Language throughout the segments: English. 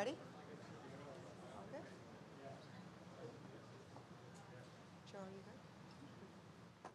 All right. Ready? All good? Joe, are you good?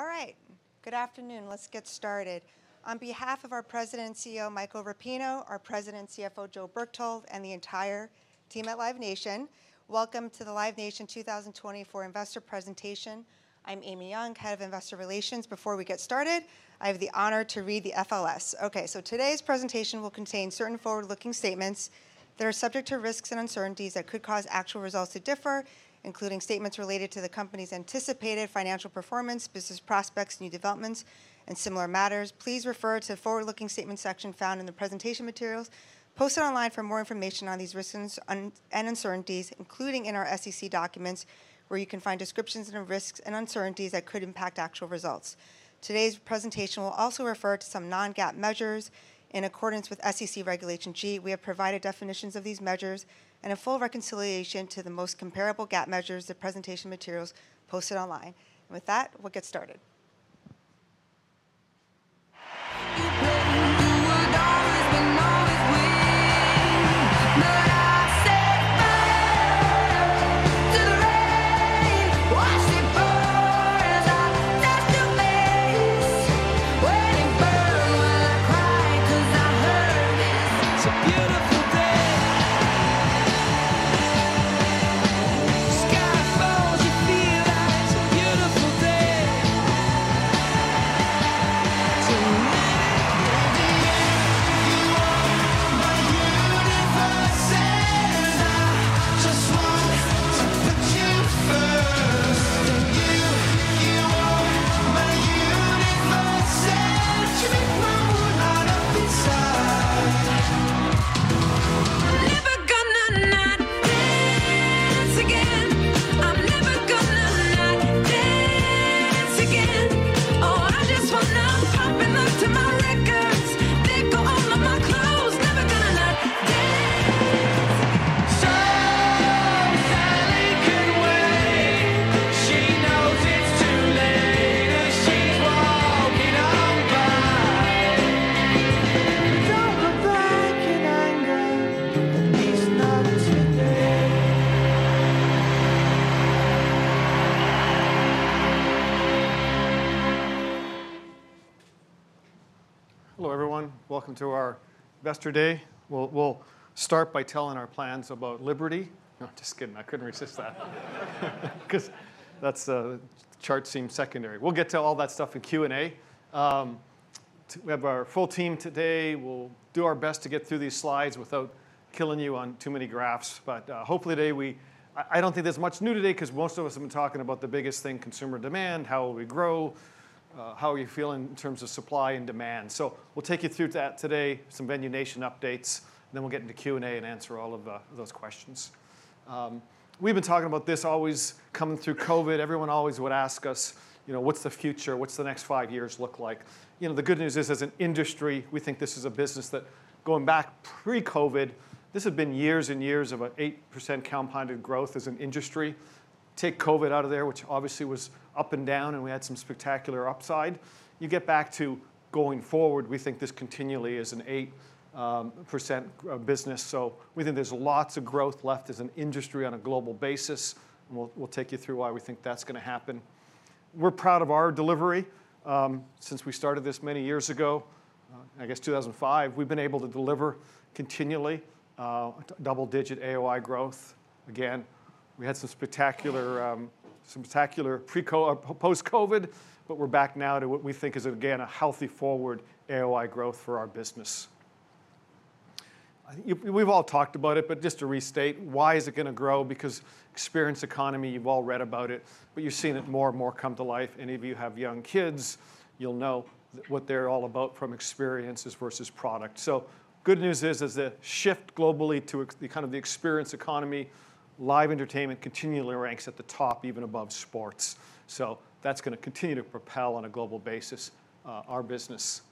All right. Good afternoon. Let's get started. On behalf of our President and CEO, Michael Rapino, our President and CFO, Joe Berchtold, and the entire team at Live Nation, welcome to the Live Nation 2024 Investor Presentation. I'm Amy Yong, Head of Investor Relations. Before we get started, I have the honor to read the FLS. Okay, so today's presentation will contain certain forward-looking statements that are subject to risks and uncertainties that could cause actual results to differ, including statements related to the company's anticipated financial performance, business prospects, new developments, and similar matters. Please refer to the Forward-Looking Statements section found in the presentation materials posted online for more information on these risks and uncertainties, including in our SEC documents, where you can find descriptions of risks and uncertainties that could impact actual results. Today's presentation will also refer to some non-GAAP measures in accordance with SEC Regulation G. We have provided definitions of these measures and a full reconciliation to the most comparable GAAP measures in the presentation materials posted online. And with that, we'll get started. Hello, everyone. Welcome to our Investor Day. We'll start by telling our plans about Liberty. No, just kidding. I couldn't resist that because that chart seemed secondary. We'll get to all that stuff in Q&A. We have our full team today. We'll do our best to get through these slides without killing you on too many graphs. But hopefully today we—I don't think there's much new today because most of us have been talking about the biggest thing: consumer demand, how will we grow, how are you feeling in terms of supply and demand. So we'll take you through that today, some Venue Nation updates, and then we'll get into Q&A and answer all of those questions. We've been talking about this always coming through COVID. Everyone always would ask us, you know, what's the future? What's the next five years look like? You know, the good news is, as an industry, we think this is a business that, going back pre-COVID, this had been years and years of an 8% compounded growth as an industry. Take COVID out of there, which obviously was up and down, and we had some spectacular upside. You get back to going forward, we think this continually is an 8% business. So we think there's lots of growth left as an industry on a global basis. We'll take you through why we think that's going to happen. We're proud of our delivery. Since we started this many years ago, I guess 2005, we've been able to deliver continually double-digit AOI growth. Again, we had some spectacular pre-COVID, post-COVID, but we're back now to what we think is, again, a healthy forward AOI growth for our business. We've all talked about it, but just to restate, why is it going to grow? Because experience economy, you've all read about it, but you've seen it more and more come to life. Any of you have young kids, you'll know what they're all about from experiences versus product. So the good news is, as the shift globally to kind of the experience economy, live entertainment continually ranks at the top, even above sports. So that's going to continue to propel on a global basis our business.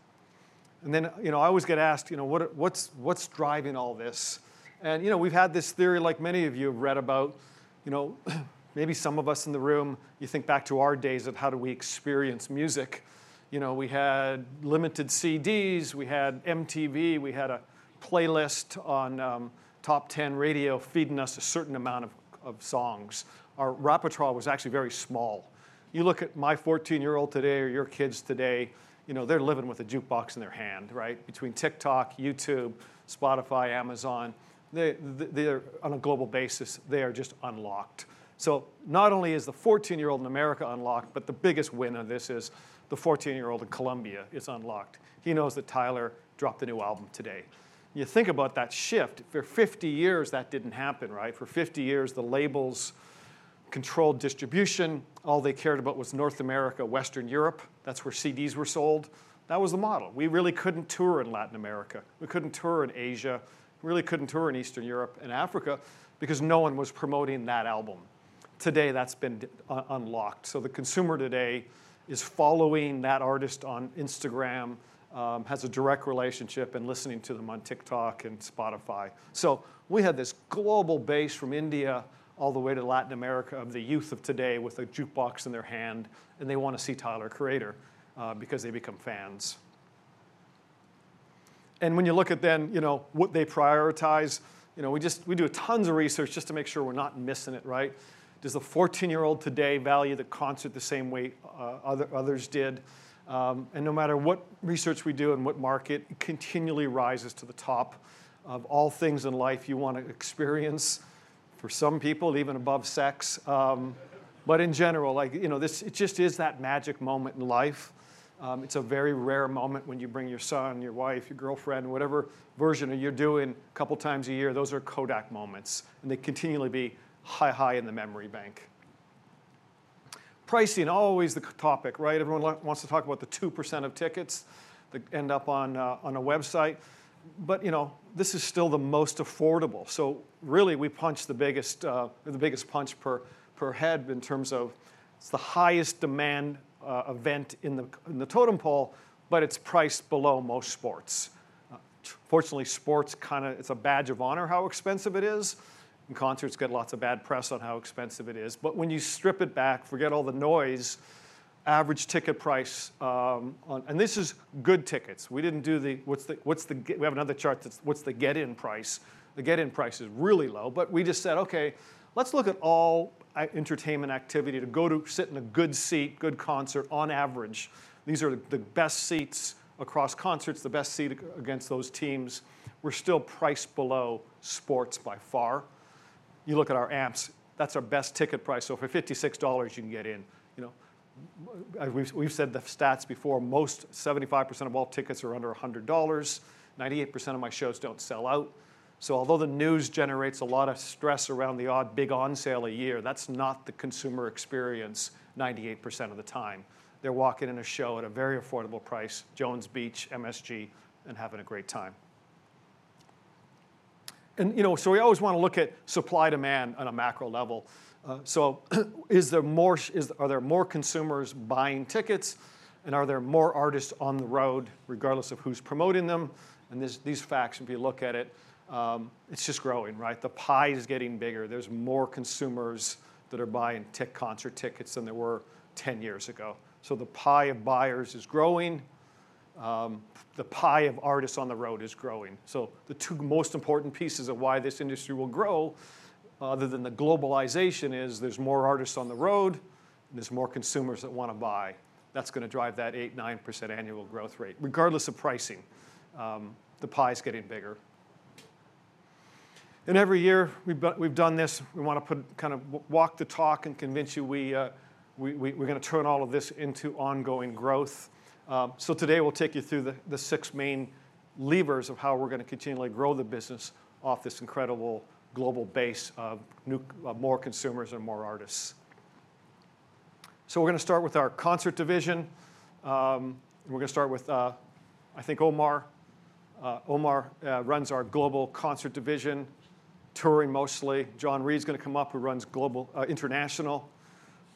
And then, you know, I always get asked, you know, what's driving all this? And, you know, we've had this theory, like many of you have read about, you know, maybe some of us in the room, you think back to our days of how do we experience music. You know, we had limited CDs, we had MTV, we had a playlist on Top 10 Radio feeding us a certain amount of songs. Our repertoire was actually very small. You look at my 14-year-old today or your kids today, you know, they're living with a jukebox in their hand, right? Between TikTok, YouTube, Spotify, Amazon, on a global basis, they are just unlocked. So not only is the 14-year-old in America unlocked, but the biggest winner of this is the 14-year-old in Colombia is unlocked. He knows that Tyler dropped a new album today. You think about that shift. For 50 years, that didn't happen, right? For 50 years, the labels controlled distribution. All they cared about was North America, Western Europe. That's where CDs were sold. That was the model. We really couldn't tour in Latin America. We couldn't tour in Asia. We really couldn't tour in Eastern Europe and Africa because no one was promoting that album. Today, that's been unlocked. So the consumer today is following that artist on Instagram, has a direct relationship, and listening to them on TikTok and Spotify. So we had this global base from India all the way to Latin America of the youth of today with a jukebox in their hand, and they want to see Tyler Creator because they become fans. And when you look at then, you know, what they prioritize, you know, we just, we do tons of research just to make sure we're not missing it, right? Does the 14-year-old today value the concert the same way others did? And no matter what research we do and what market, it continually rises to the top of all things in life you want to experience for some people, even above sex. But in general, like, you know, it just is that magic moment in life. It's a very rare moment when you bring your son, your wife, your girlfriend, whatever version of you're doing a couple of times a year. Those are Kodak moments, and they continually be high, high in the memory bank. Pricing, always the topic, right? Everyone wants to talk about the 2% of tickets that end up on a website. But, you know, this is still the most affordable. So really, we punch the biggest punch per head in terms of it's the highest demand event in the totem pole, but it's priced below most sports. Fortunately, sports kind of, it's a badge of honor how expensive it is. Concerts get lots of bad press on how expensive it is. But when you strip it back, forget all the noise, average ticket price, and this is good tickets. We didn't do the, what's the, we have another chart that's what's the get-in price. The get-in price is really low, but we just said, okay, let's look at all entertainment activity to go to sit in a good seat, good concert on average. These are the best seats across concerts, the best seat against those teams. We're still priced below sports by far. You look at our amps, that's our best ticket price. So for $56, you can get in. You know, we've said the stats before. Most, 75% of all tickets are under $100. 98% of my shows don't sell out. So although the news generates a lot of stress around the odd big on-sale a year, that's not the consumer experience 98% of the time. They're walking in a show at a very affordable price, Jones Beach, MSG, and having a great time. And, you know, so we always want to look at supply-demand on a macro level. So is there more, are there more consumers buying tickets? And are there more artists on the road, regardless of who's promoting them? And these facts, if you look at it, it's just growing, right? The pie is getting bigger. There's more consumers that are buying concert tickets than there were 10 years ago. So the pie of buyers is growing. The pie of artists on the road is growing. So the two most important pieces of why this industry will grow, other than the globalization, is there's more artists on the road and there's more consumers that want to buy. That's going to drive that 8%-9% annual growth rate, regardless of pricing. The pie is getting bigger, and every year we've done this, we want to kind of walk the talk and convince you we're going to turn all of this into ongoing growth, so today we'll take you through the six main levers of how we're going to continually grow the business off this incredible global base of more consumers and more artists, so we're going to start with our concert division. We're going to start with, I think, Omar. Omar runs our global concert division, touring mostly. John Reid's going to come up, who runs global international.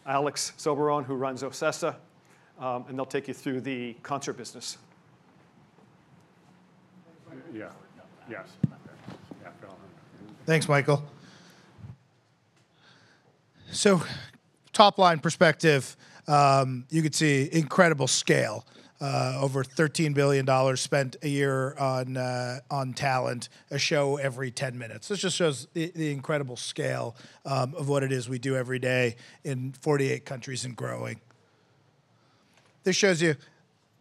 Alex Soberón, who runs OCESA. And they'll take you through the concert business. Thanks, Michael. Thanks, Michael. So top-line perspective, you could see incredible scale, over $13 billion spent a year on talent, a show every 10 minutes. This just shows the incredible scale of what it is we do every day in 48 countries and growing. This shows you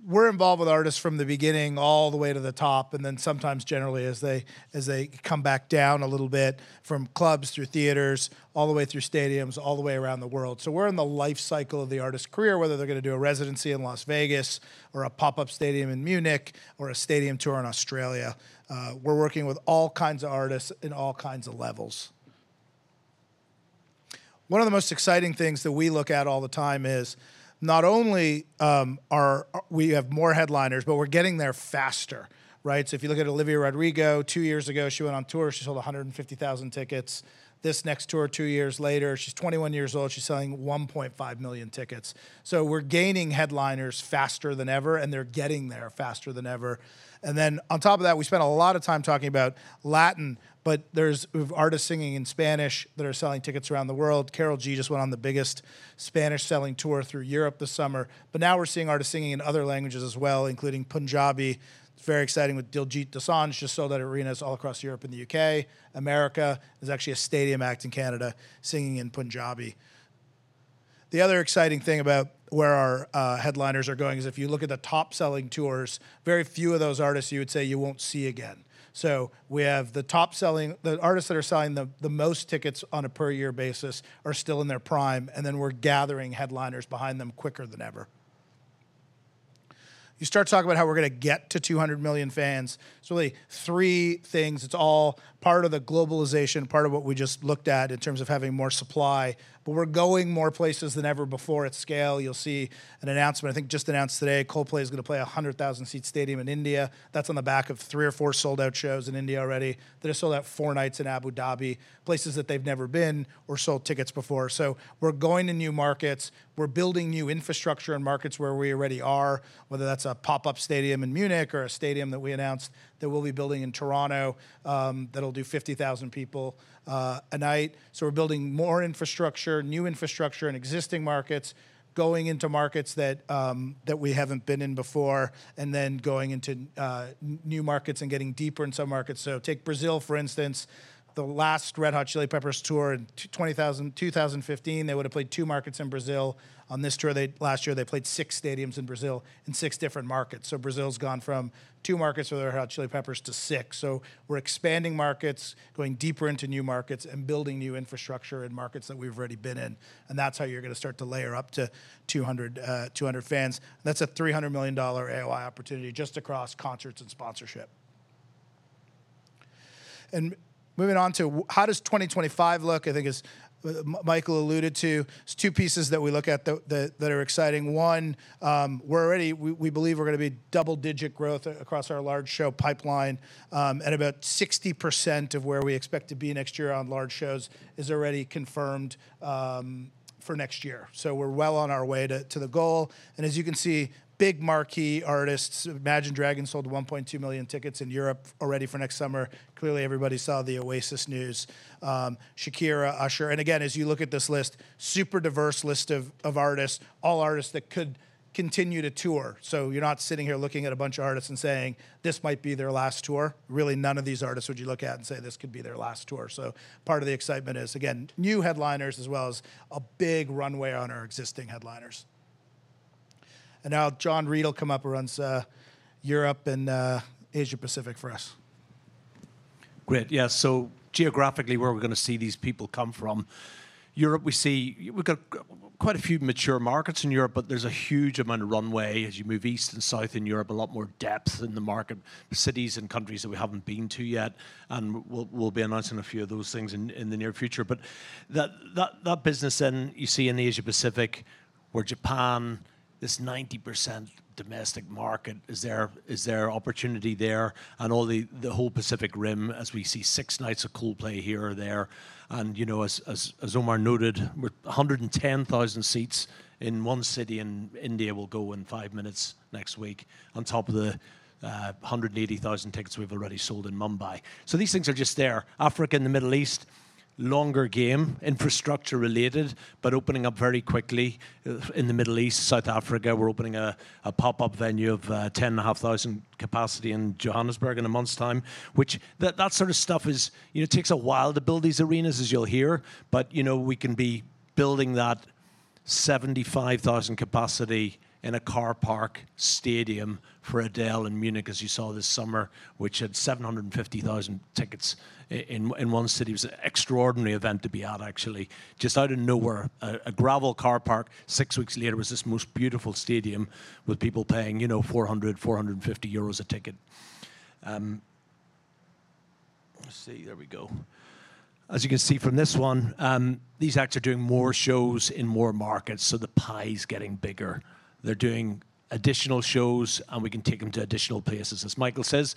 we're involved with artists from the beginning all the way to the top, and then sometimes generally as they come back down a little bit from clubs through theaters, all the way through stadiums, all the way around the world. So we're in the life cycle of the artist's career, whether they're going to do a residency in Las Vegas or a pop-up stadium in Munich or a stadium tour in Australia. We're working with all kinds of artists in all kinds of levels. One of the most exciting things that we look at all the time is not only are we have more headliners, but we're getting there faster, right? So if you look at Olivia Rodrigo, two years ago, she went on tour, she sold 150,000 tickets. This next tour, two years later, she's 21 years old, she's selling 1.5 million tickets. So we're gaining headliners faster than ever, and they're getting there faster than ever. And then on top of that, we spent a lot of time talking about Latin, but there's artists singing in Spanish that are selling tickets around the world. Karol G just went on the biggest Spanish-selling tour through Europe this summer. But now we're seeing artists singing in other languages as well, including Punjabi. It's very exciting with Diljit Dosanjh just sold at arenas all across Europe and the U.K. America has actually a stadium act in Canada singing in Punjabi. The other exciting thing about where our headliners are going is if you look at the top-selling tours, very few of those artists you would say you won't see again. So we have the top-selling, the artists that are selling the most tickets on a per-year basis are still in their prime, and then we're gathering headliners behind them quicker than ever. You start talking about how we're going to get to 200 million fans. It's really three things. It's all part of the globalization, part of what we just looked at in terms of having more supply, but we're going more places than ever before at scale. You'll see an announcement, I think just announced today, Coldplay is going to play a 100,000-seat stadium in India. That's on the back of three or four sold-out shows in India already. They're sold out four nights in Abu Dhabi, places that they've never been or sold tickets before. So we're going to new markets. We're building new infrastructure in markets where we already are, whether that's a pop-up stadium in Munich or a stadium that we announced that we'll be building in Toronto that'll do 50,000 people a night. So we're building more infrastructure, new infrastructure in existing markets, going into markets that we haven't been in before, and then going into new markets and getting deeper in some markets. So take Brazil, for instance, the last Red Hot Chili Peppers tour in 2015, they would have played two markets in Brazil. On this tour last year, they played six stadiums in Brazil in six different markets. Brazil's gone from two markets for the Red Hot Chili Peppers to six. We're expanding markets, going deeper into new markets, and building new infrastructure in markets that we've already been in. That's how you're going to start to layer up to 200 fans. That's a $300 million AOI opportunity just across concerts and sponsorship. Moving on to how 2025 looks, I think as Michael alluded to, there are two pieces that we look at that are exciting. One, we're already, we believe we're going to be double-digit growth across our large show pipeline. About 60% of where we expect to be next year on large shows is already confirmed for next year. We're well on our way to the goal. As you can see, big marquee artists, Imagine Dragons sold 1.2 million tickets in Europe already for next summer. Clearly, everybody saw the Oasis news. Shakira, Usher. And again, as you look at this list, super diverse list of artists, all artists that could continue to tour. So you're not sitting here looking at a bunch of artists and saying, this might be their last tour. Really, none of these artists would you look at and say this could be their last tour. So part of the excitement is, again, new headliners as well as a big runway on our existing headliners. And now John Reid will come up, who runs Europe and Asia-Pacific for us. Great. Yeah. So geographically, where are we going to see these people come from? Europe, we see we've got quite a few mature markets in Europe, but there's a huge amount of runway as you move east and south in Europe, a lot more depth in the market, cities and countries that we haven't been to yet. And we'll be announcing a few of those things in the near future. But that business then you see in Asia-Pacific, where Japan, this 90% domestic market, is there opportunity there? And all the whole Pacific Rim, as we see six nights of Coldplay here or there. And, you know, as Omar noted, we're 110,000 seats in one city in India will go in five minutes next week, on top of the 180,000 tickets we've already sold in Mumbai. So these things are just there. Africa, in the Middle East, longer game, infrastructure related, but opening up very quickly in the Middle East, South Africa. We're opening a pop-up venue of 10,500 capacity in Johannesburg in a month's time, which that sort of stuff is, you know, it takes a while to build these arenas, as you'll hear. But, you know, we can be building that 75,000 capacity in a car park stadium for Adele in Munich, as you saw this summer, which had 750,000 tickets in one city. It was an extraordinary event to be at, actually. Just out of nowhere, a gravel car park, six weeks later was this most beautiful stadium with people paying, you know, 400-450 euros a ticket. Let's see, there we go. As you can see from this one, these acts are doing more shows in more markets, so the pie is getting bigger. They're doing additional shows, and we can take them to additional places. As Michael says,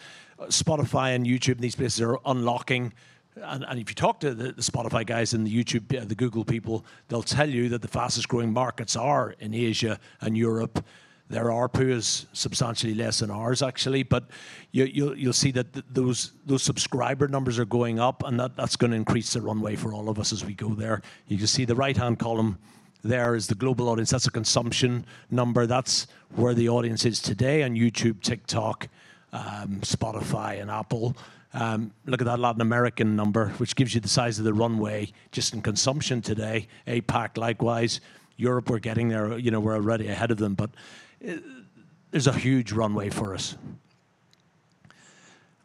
Spotify and YouTube and these places are unlocking. And if you talk to the Spotify guys and the YouTube, the Google people, they'll tell you that the fastest growing markets are in Asia and Europe. Their ARPU is substantially less than ours, actually. But you'll see that those subscriber numbers are going up, and that's going to increase the runway for all of us as we go there. You can see the right-hand column there is the global audience. That's a consumption number. That's where the audience is today on YouTube, TikTok, Spotify, and Apple. Look at that Latin American number, which gives you the size of the runway just in consumption today. APAC, likewise. Europe, we're getting there. You know, we're already ahead of them, but there's a huge runway for us.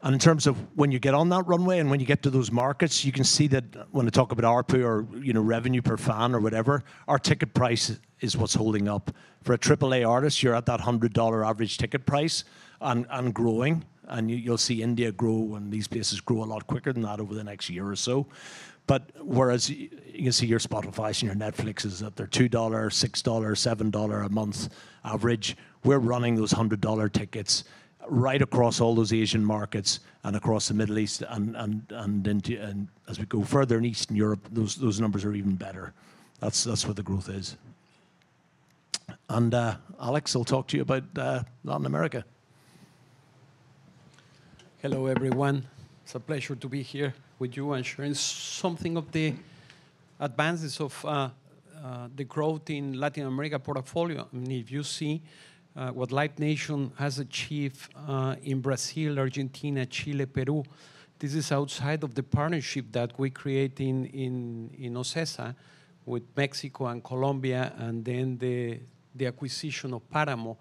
In terms of when you get on that runway and when you get to those markets, you can see that when I talk about ARPU or, you know, revenue per fan or whatever, our ticket price is what's holding up. For a AAA artist, you're at that $100 average ticket price and growing. You'll see India grow and these places grow a lot quicker than that over the next year or so. Whereas you can see your Spotifys and your Netflixes, they're $2, $6, $7 a month average. We're running those $100 tickets right across all those Asian markets and across the Middle East. As we go further in Eastern Europe, those numbers are even better. That's where the growth is. Alex, I'll talk to you about Latin America. Hello, everyone. It's a pleasure to be here with you and sharing something of the advances of the growth in Latin America portfolio. I mean, if you see what Live Nation has achieved in Brazil, Argentina, Chile, Peru, this is outside of the partnership that we created in OCESA with Mexico and Colombia, and then the acquisition of Páramo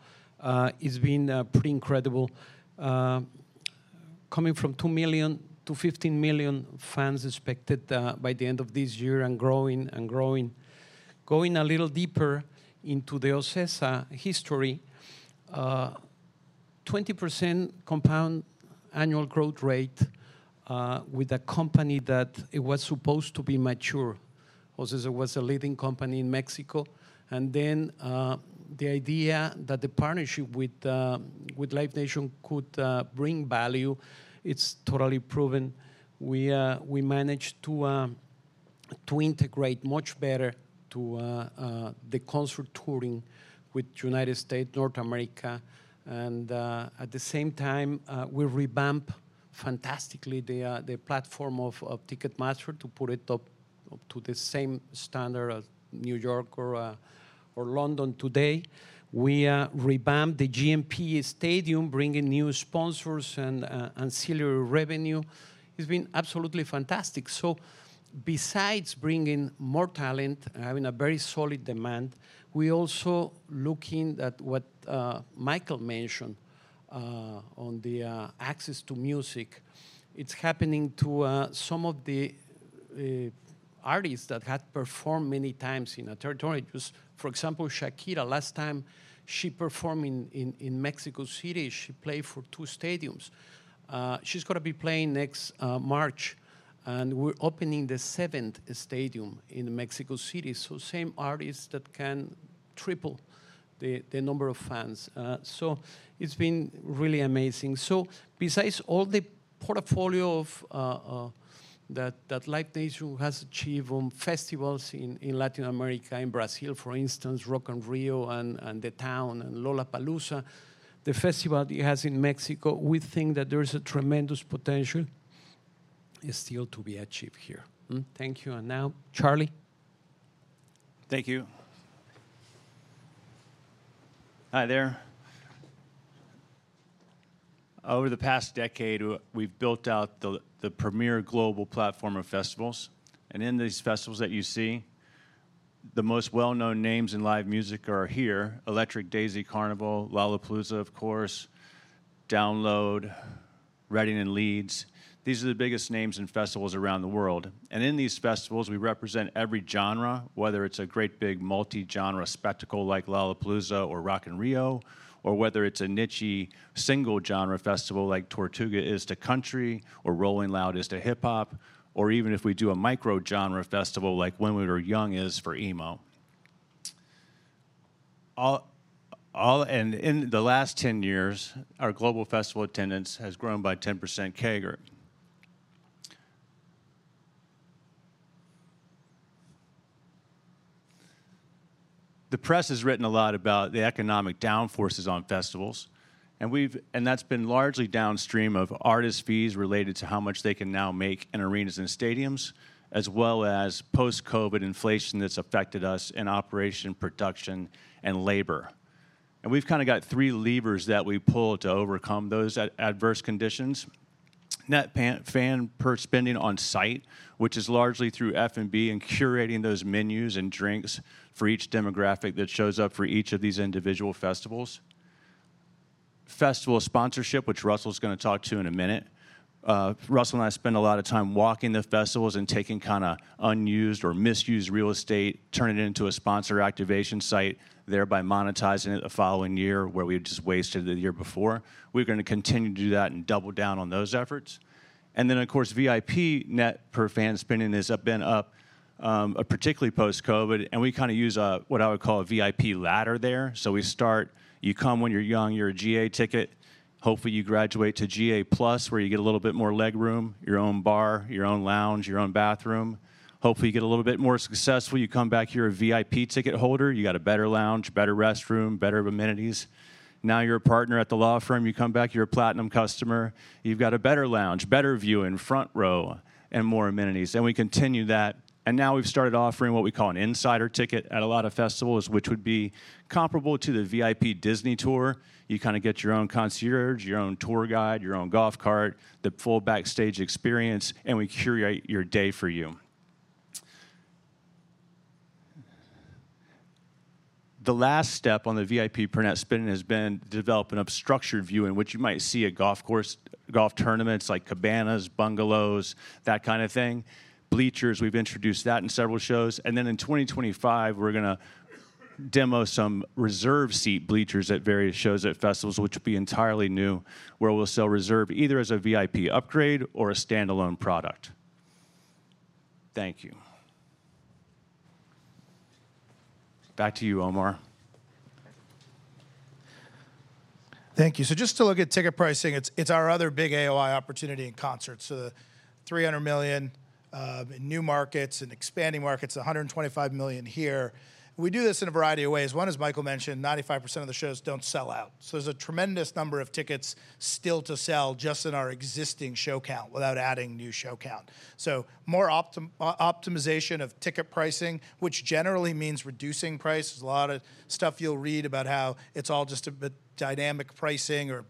is being pretty incredible. Coming from 2 million to 15 million fans expected by the end of this year and growing and growing. Going a little deeper into the OCESA history, 20% compound annual growth rate with a company that was supposed to be mature. OCESA was a leading company in Mexico. Then the idea that the partnership with Live Nation could bring value; it's totally proven. We managed to integrate much better to the concert touring with the United States, North America. And at the same time, we revamped fantastically the platform of Ticketmaster to put it up to the same standard as New York or London today. We revamped the GNP stadium, bringing new sponsors and ancillary revenue. It's been absolutely fantastic. So besides bringing more talent, having a very solid demand, we're also looking at what Michael mentioned on the access to music. It's happening to some of the artists that had performed many times in a territory. Just for example, Shakira, last time she performed in Mexico City, she played for two stadiums. She's going to be playing next March. And we're opening the seventh stadium in Mexico City. So same artists that can triple the number of fans. So it's been really amazing. So besides all the portfolio that Live Nation has achieved on festivals in Latin America, in Brazil, for instance, Rock in Rio and The Town and Lollapalooza, the festival that you have in Mexico, we think that there is a tremendous potential still to be achieved here. Thank you. And now, Charlie. Thank you. Hi there. Over the past decade, we've built out the premier global platform of festivals. And in these festivals that you see, the most well-known names in live music are here: Electric Daisy Carnival, Lollapalooza, of course, Download, Reading & Leeds. These are the biggest names in festivals around the world. And in these festivals, we represent every genre, whether it's a great big multi-genre spectacle like Lollapalooza or Rock in Rio, or whether it's a niche single genre festival like Tortuga is the country or Rolling Loud is the hip hop, or even if we do a micro genre festival like When We Were Young is for emo. And in the last 10 years, our global festival attendance has grown by 10% CAGR. The press has written a lot about the economic downturns on festivals. And that's been largely downstream of artist fees related to how much they can now make in arenas and stadiums, as well as post-COVID inflation that's affected us in operation, production, and labor. And we've kind of got three levers that we pull to overcome those adverse conditions: net fan per spending on site, which is largely through F&B and curating those menus and drinks for each demographic that shows up for each of these individual festivals; festival sponsorship, which Russell's going to talk to in a minute. Russell and I spend a lot of time walking the festivals and taking kind of unused or misused real estate, turning it into a sponsor activation site, thereby monetizing it the following year where we just wasted the year before. We're going to continue to do that and double down on those efforts. And then, of course, VIP net per fan spending has been up, particularly post-COVID. And we kind of use what I would call a VIP ladder there. So we start, you come when you're young, you're a GA ticket. Hopefully, you graduate to GA Plus, where you get a little bit more leg room, your own bar, your own lounge, your own bathroom. Hopefully, you get a little bit more successful. You come back, you're a VIP ticket holder. You got a better lounge, better restroom, better amenities. Now you're a partner at the law firm. You come back, you're a Platinum customer. You've got a better lounge, better view in front row, and more amenities. And we continue that. And now we've started offering what we call an Insider ticket at a lot of festivals, which would be comparable to the VIP Disney tour. You kind of get your own concierge, your own tour guide, your own golf cart, the full backstage experience, and we curate your day for you. The last step on the VIP per net spending has been developing a structured view in which you might see a golf course, golf tournaments like cabanas, bungalows, that kind of thing, bleachers. We've introduced that in several shows. And then in 2025, we're going to demo some reserve seat bleachers at various shows at festivals, which will be entirely new, where we'll sell reserve either as a VIP upgrade or a standalone product. Thank you. Back to you, Omar. Thank you. So just to look at ticket pricing, it's our other big AOI opportunity in concerts. So the $300 million in new markets and expanding markets, $125 million here. We do this in a variety of ways. One is Michael mentioned, 95% of the shows don't sell out. So there's a tremendous number of tickets still to sell just in our existing show count without adding new show count. So more optimization of ticket pricing, which generally means reducing prices. A lot of stuff you'll read about how it's all just a dynamic pricing or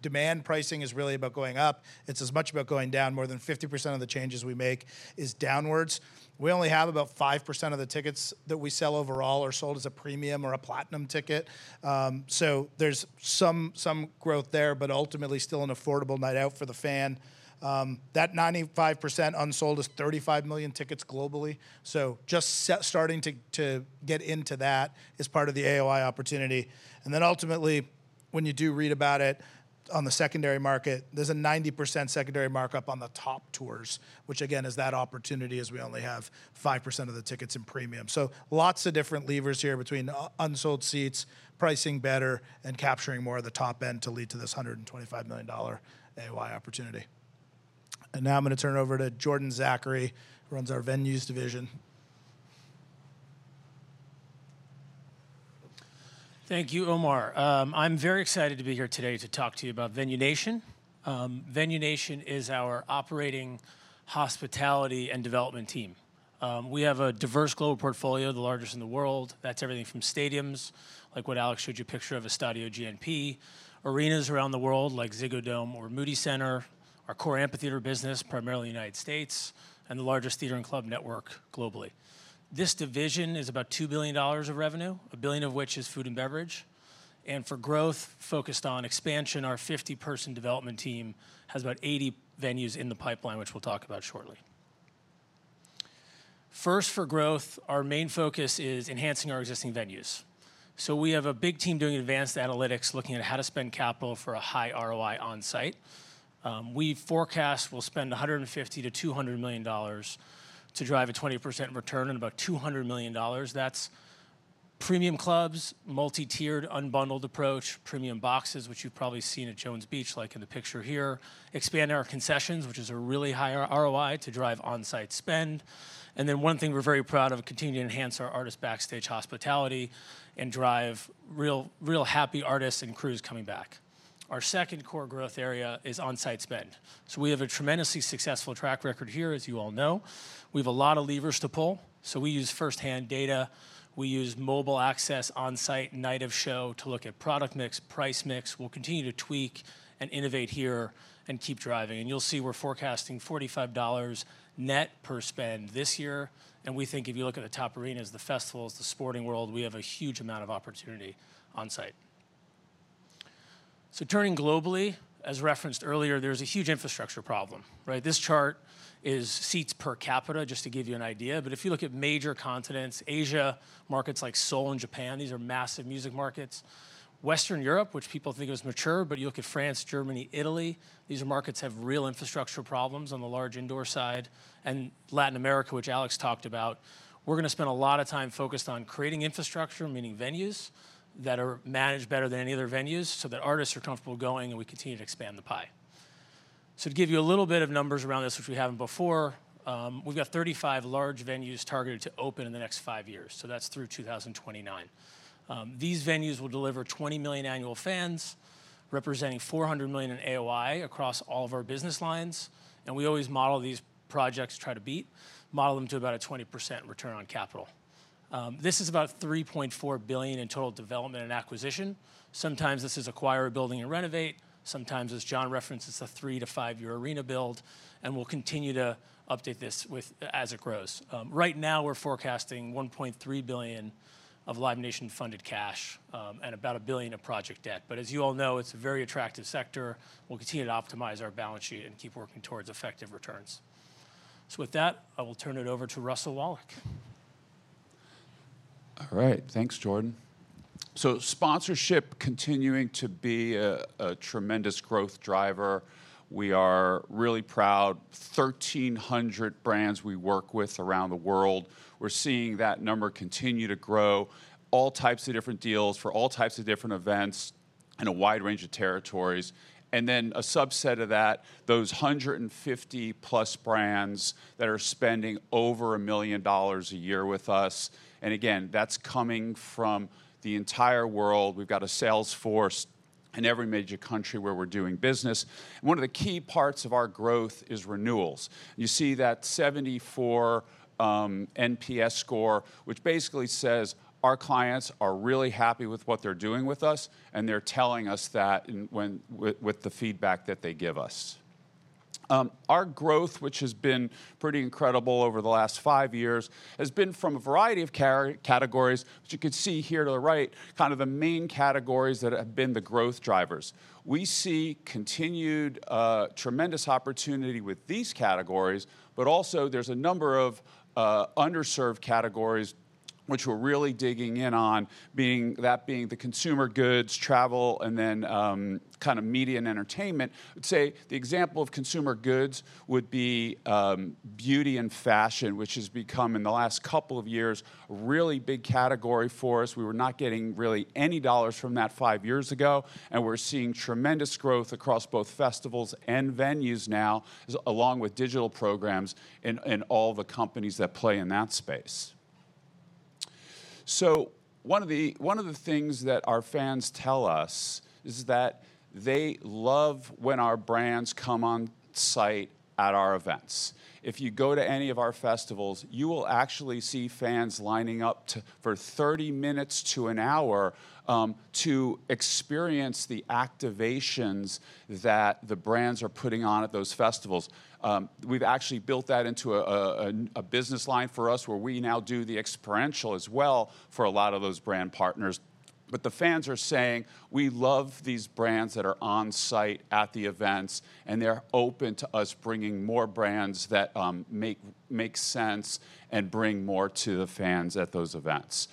demand pricing is really about going up. It's as much about going down. More than 50% of the changes we make is downwards. We only have about 5% of the tickets that we sell overall are sold as a Premium or a Platinum ticket. There's some growth there, but ultimately still an affordable night out for the fan. That 95% unsold is 35 million tickets globally. Just starting to get into that is part of the AOI opportunity. Then ultimately, when you do read about it on the secondary market, there's a 90% secondary markup on the top tours, which again is that opportunity as we only have 5% of the tickets in Premium. So lots of different levers here between unsold seats, pricing better, and capturing more of the top end to lead to this $125 million AOI opportunity. Now I'm going to turn it over to Jordan Zachary, who runs our venues division. Thank you, Omar. I'm very excited to be here today to talk to you about Venue Nation. Venue Nation is our operating hospitality and development team. We have a diverse global portfolio, the largest in the world. That's everything from stadiums like what Alex showed you a picture of Estadio GNP, arenas around the world like Ziggo Dome or Moody Center, our core amphitheater business, primarily in the United States, and the largest theater and club network globally. This division is about $2 billion of revenue, $1 billion of which is food and beverage. And for growth focused on expansion, our 50-person development team has about 80 venues in the pipeline, which we'll talk about shortly. First, for growth, our main focus is enhancing our existing venues. So we have a big team doing advanced analytics looking at how to spend capital for a high ROI on site. We forecast we'll spend $150 million-$200 million to drive a 20% return and about $200 million. That's Premium clubs, multi-tiered unbundled approach, Premium boxes, which you've probably seen at Jones Beach like in the picture here, expand our concessions, which is a really high ROI to drive on-site spend. And then one thing we're very proud of, continuing to enhance our artist backstage hospitality and drive real happy artists and crews coming back. Our second core growth area is on-site spend. So we have a tremendously successful track record here, as you all know. We have a lot of levers to pull. So we use firsthand data. We use mobile access, on-site, night of show to look at product mix, price mix. We'll continue to tweak and innovate here and keep driving. And you'll see we're forecasting $45 net per spend this year. We think if you look at the top arenas, the festivals, the sporting world, we have a huge amount of opportunity on site. Turning globally, as referenced earlier, there's a huge infrastructure problem. This chart is seats per capita, just to give you an idea. If you look at major continents, Asia markets like Seoul and Japan, these are massive music markets. Western Europe, which people think is mature, but you look at France, Germany, Italy, these markets have real infrastructure problems on the large indoor side. Latin America, which Alex talked about, we're going to spend a lot of time focused on creating infrastructure, meaning venues that are managed better than any other venues so that artists are comfortable going and we continue to expand the pie. So to give you a little bit of numbers around this, which we haven't before, we've got 35 large venues targeted to open in the next five years. So that's through 2029. These venues will deliver 20 million annual fans, representing $400 million in AOI across all of our business lines. And we always model these projects, try to beat, model them to about a 20% return on capital. This is about $3.4 billion in total development and acquisition. Sometimes this is acquire, building, and renovate. Sometimes, as John referenced, it's a three-to-five-year arena build. And we'll continue to update this as it grows. Right now, we're forecasting $1.3 billion of Live Nation-funded cash and about $1 billion of project debt. But as you all know, it's a very attractive sector. We'll continue to optimize our balance sheet and keep working towards effective returns. So with that, I will turn it over to Russell Wallach. All right. Thanks, Jordan. Sponsorship continuing to be a tremendous growth driver. We are really proud. 1,300 brands we work with around the world. We're seeing that number continue to grow, all types of different deals for all types of different events in a wide range of territories, and then a subset of that, those 150-plus brands that are spending over $1 million a year with us. And again, that's coming from the entire world. We've got a sales force in every major country where we're doing business, and one of the key parts of our growth is renewals. You see that 74 NPS score, which basically says our clients are really happy with what they're doing with us, and they're telling us that with the feedback that they give us. Our growth, which has been pretty incredible over the last five years, has been from a variety of categories, which you can see here to the right, kind of the main categories that have been the growth drivers. We see continued tremendous opportunity with these categories. But also, there's a number of underserved categories which we're really digging in on, that being the consumer goods, travel, and then kind of media and entertainment. I'd say the example of consumer goods would be beauty and fashion, which has become, in the last couple of years, a really big category for us. We were not getting really any dollars from that five years ago, and we're seeing tremendous growth across both festivals and venues now, along with digital programs in all the companies that play in that space. So one of the things that our fans tell us is that they love when our brands come on site at our events. If you go to any of our festivals, you will actually see fans lining up for 30 minutes to an hour to experience the activations that the brands are putting on at those festivals. We've actually built that into a business line for us where we now do the experiential as well for a lot of those brand partners. But the fans are saying, "We love these brands that are on site at the events, and they're open to us bringing more brands that make sense and bring more to the fans at those events."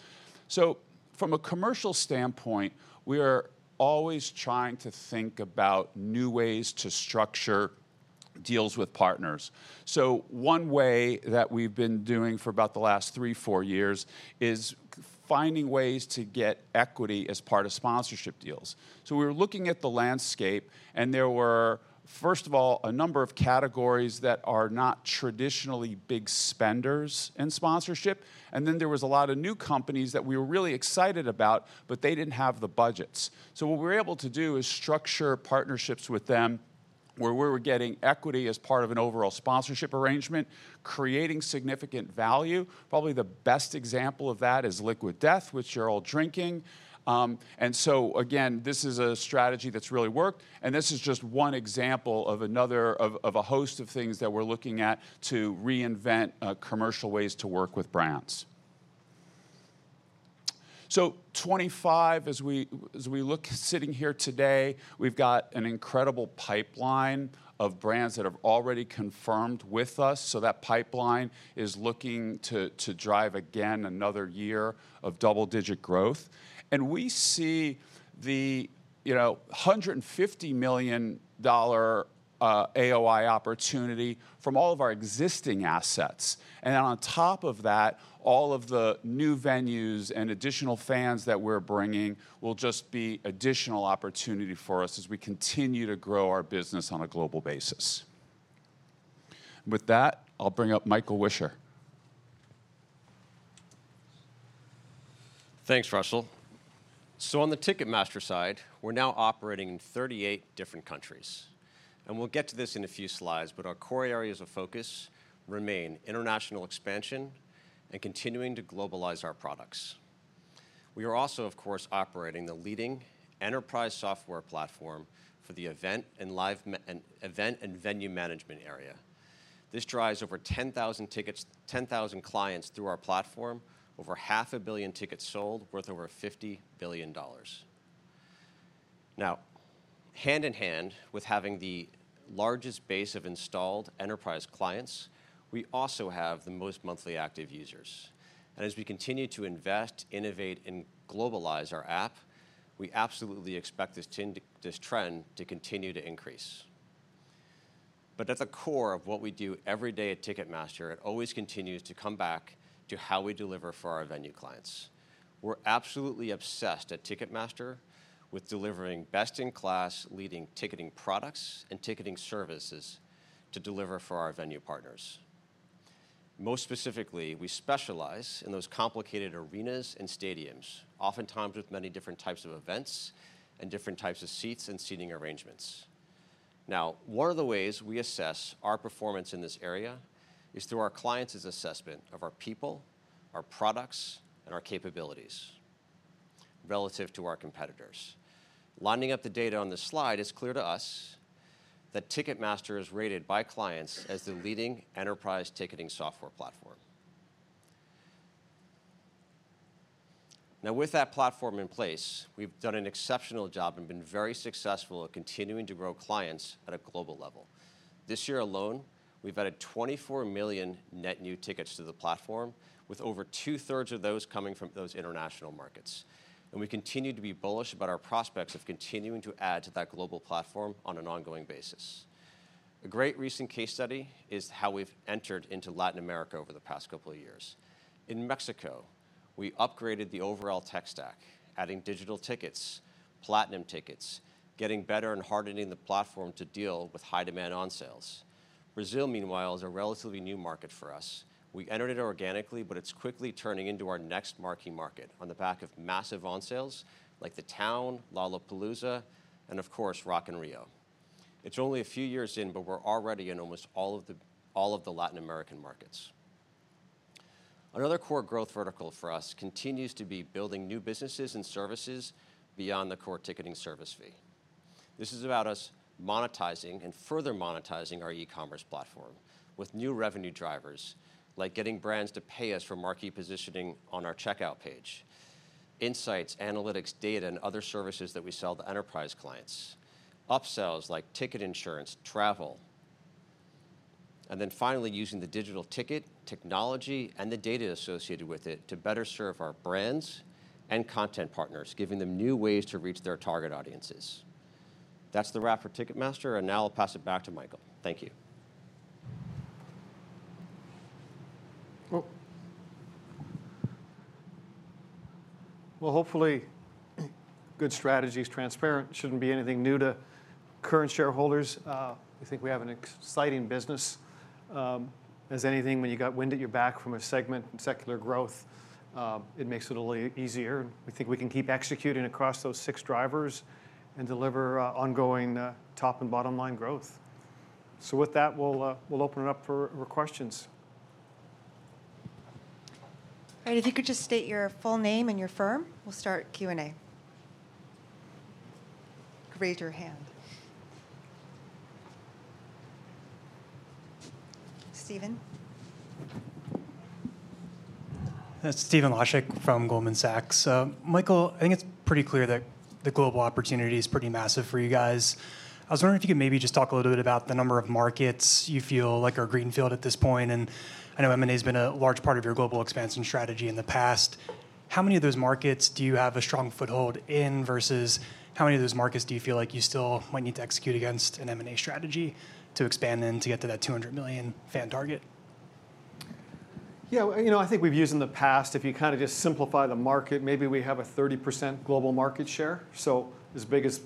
So from a commercial standpoint, we are always trying to think about new ways to structure deals with partners. One way that we've been doing for about the last three, four years is finding ways to get equity as part of sponsorship deals. We were looking at the landscape, and there were, first of all, a number of categories that are not traditionally big spenders in sponsorship. And then there was a lot of new companies that we were really excited about, but they didn't have the budgets. So what we were able to do is structure partnerships with them where we were getting equity as part of an overall sponsorship arrangement, creating significant value. Probably the best example of that is Liquid Death, which you're all drinking. And so again, this is a strategy that's really worked. And this is just one example of a host of things that we're looking at to reinvent commercial ways to work with brands. So 25, as we look sitting here today, we've got an incredible pipeline of brands that have already confirmed with us. So that pipeline is looking to drive, again, another year of double-digit growth. And we see the $150 million AOI opportunity from all of our existing assets. And then on top of that, all of the new venues and additional fans that we're bringing will just be additional opportunity for us as we continue to grow our business on a global basis. With that, I'll bring up Michael Wichser. Thanks, Russell. So on the Ticketmaster side, we're now operating in 38 different countries. And we'll get to this in a few slides, but our core areas of focus remain international expansion and continuing to globalize our products. We are also, of course, operating the leading enterprise software platform for the event and venue management area. This drives over 10,000 tickets, 10,000 clients through our platform, over 500 million tickets sold worth over $50 billion. Now, hand in hand with having the largest base of installed enterprise clients, we also have the most monthly active users. And as we continue to invest, innovate, and globalize our app, we absolutely expect this trend to continue to increase. But at the core of what we do every day at Ticketmaster, it always continues to come back to how we deliver for our venue clients. We're absolutely obsessed at Ticketmaster with delivering best-in-class, leading ticketing products and ticketing services to deliver for our venue partners. Most specifically, we specialize in those complicated arenas and stadiums, oftentimes with many different types of events and different types of seats and seating arrangements. Now, one of the ways we assess our performance in this area is through our clients' assessment of our people, our products, and our capabilities relative to our competitors. Lining up the data on this slide, it's clear to us that Ticketmaster is rated by clients as the leading enterprise ticketing software platform. Now, with that platform in place, we've done an exceptional job and been very successful at continuing to grow clients at a global level. This year alone, we've added 24 million net new tickets to the platform, with over two-thirds of those coming from those international markets. We continue to be bullish about our prospects of continuing to add to that global platform on an ongoing basis. A great recent case study is how we've entered into Latin America over the past couple of years. In Mexico, we upgraded the overall tech stack, adding digital tickets, Platinum tickets, getting better and hardening the platform to deal with high-demand on sales. Brazil, meanwhile, is a relatively new market for us. We entered it organically, but it's quickly turning into our next marquee market on the back of massive on sales like The Town, Lollapalooza, and of course, Rock in Rio. It's only a few years in, but we're already in almost all of the Latin American markets. Another core growth vertical for us continues to be building new businesses and services beyond the core ticketing service fee. This is about us monetizing and further monetizing our e-commerce platform with new revenue drivers like getting brands to pay us for marquee positioning on our checkout page, insights, analytics, data, and other services that we sell to enterprise clients, upsells like ticket insurance, travel, and then finally using the digital ticket technology and the data associated with it to better serve our brands and content partners, giving them new ways to reach their target audiences. That's the wrap for Ticketmaster. And now I'll pass it back to Michael. Thank you. Cool. Well, hopefully, good strategy is transparent. It shouldn't be anything new to current shareholders. We think we have an exciting business. As with anything, when you got wind at your back from a segment in secular growth, it makes it a little easier. We think we can keep executing across those six drivers and deliver ongoing top and bottom line growth. So with that, we'll open it up for questions. All right. If you could just state your full name and your firm, we'll start Q&A. Raise your hand. Stephen? That's Stephen Laszczyk from Goldman Sachs. Michael, I think it's pretty clear that the global opportunity is pretty massive for you guys. I was wondering if you could maybe just talk a little bit about the number of markets you feel like are greenfield at this point, and I know M&A has been a large part of your global expansion strategy in the past. How many of those markets do you have a strong foothold in versus how many of those markets do you feel like you still might need to execute against an M&A strategy to expand and to get to that 200 million fan target? Yeah. You know, I think we've used in the past, if you kind of just simplify the market, maybe we have a 30% global market share. So as big as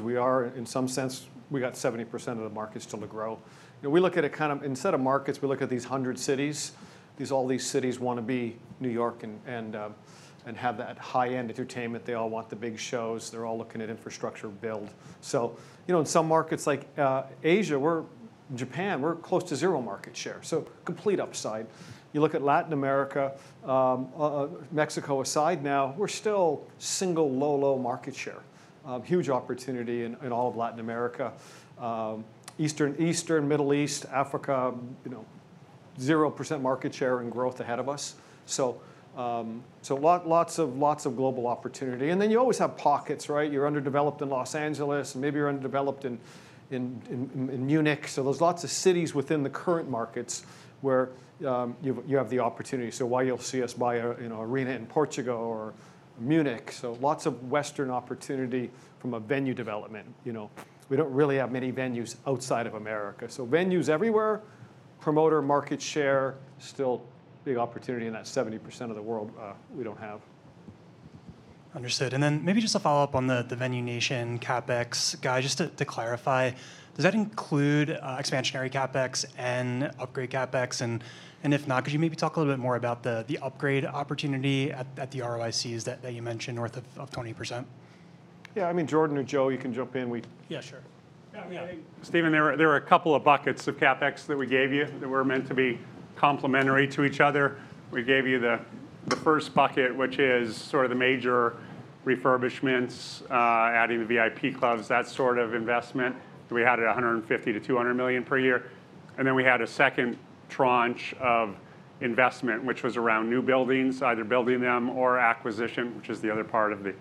we are, in some sense, we got 70% of the market still to grow. We look at it kind of instead of markets, we look at these hundred cities. All these cities want to be New York and have that high-end entertainment. They all want the big shows. They're all looking at infrastructure build. So in some markets like Asia, Japan, we're close to zero market share. So complete upside. You look at Latin America, Mexico aside now, we're still single low, low market share. Huge opportunity in all of Latin America, Eastern, Middle East, Africa, 0% market share in growth ahead of us. So lots of global opportunity. And then you always have pockets, right? You're underdeveloped in Los Angeles. Maybe you're underdeveloped in Munich. So there's lots of cities within the current markets where you have the opportunity. So while you'll see us buy an arena in Portugal or Munich, so lots of Western opportunity from a venue development. We don't really have many venues outside of America. So venues everywhere, promoter market share, still big opportunity in that 70% of the world we don't have. Understood. And then maybe just a follow-up on the Venue Nation CapEx guide, just to clarify, does that include expansionary CapEx and upgrade CapEx? And if not, could you maybe talk a little bit more about the upgrade opportunity at the ROICs that you mentioned north of 20%? Yeah. I mean, Jordan or Joe, you can jump in. We-. Yeah, sure. Yeah. I mean, Stephen, there were a couple of buckets of CapEx that we gave you that were meant to be complementary to each other. We gave you the first bucket, which is sort of the major refurbishments, adding the VIP clubs, that sort of investment. We had it at $150 million-$200 million per year. And then we had a second tranche of investment, which was around new buildings, either building them or acquisition, which is the other part of the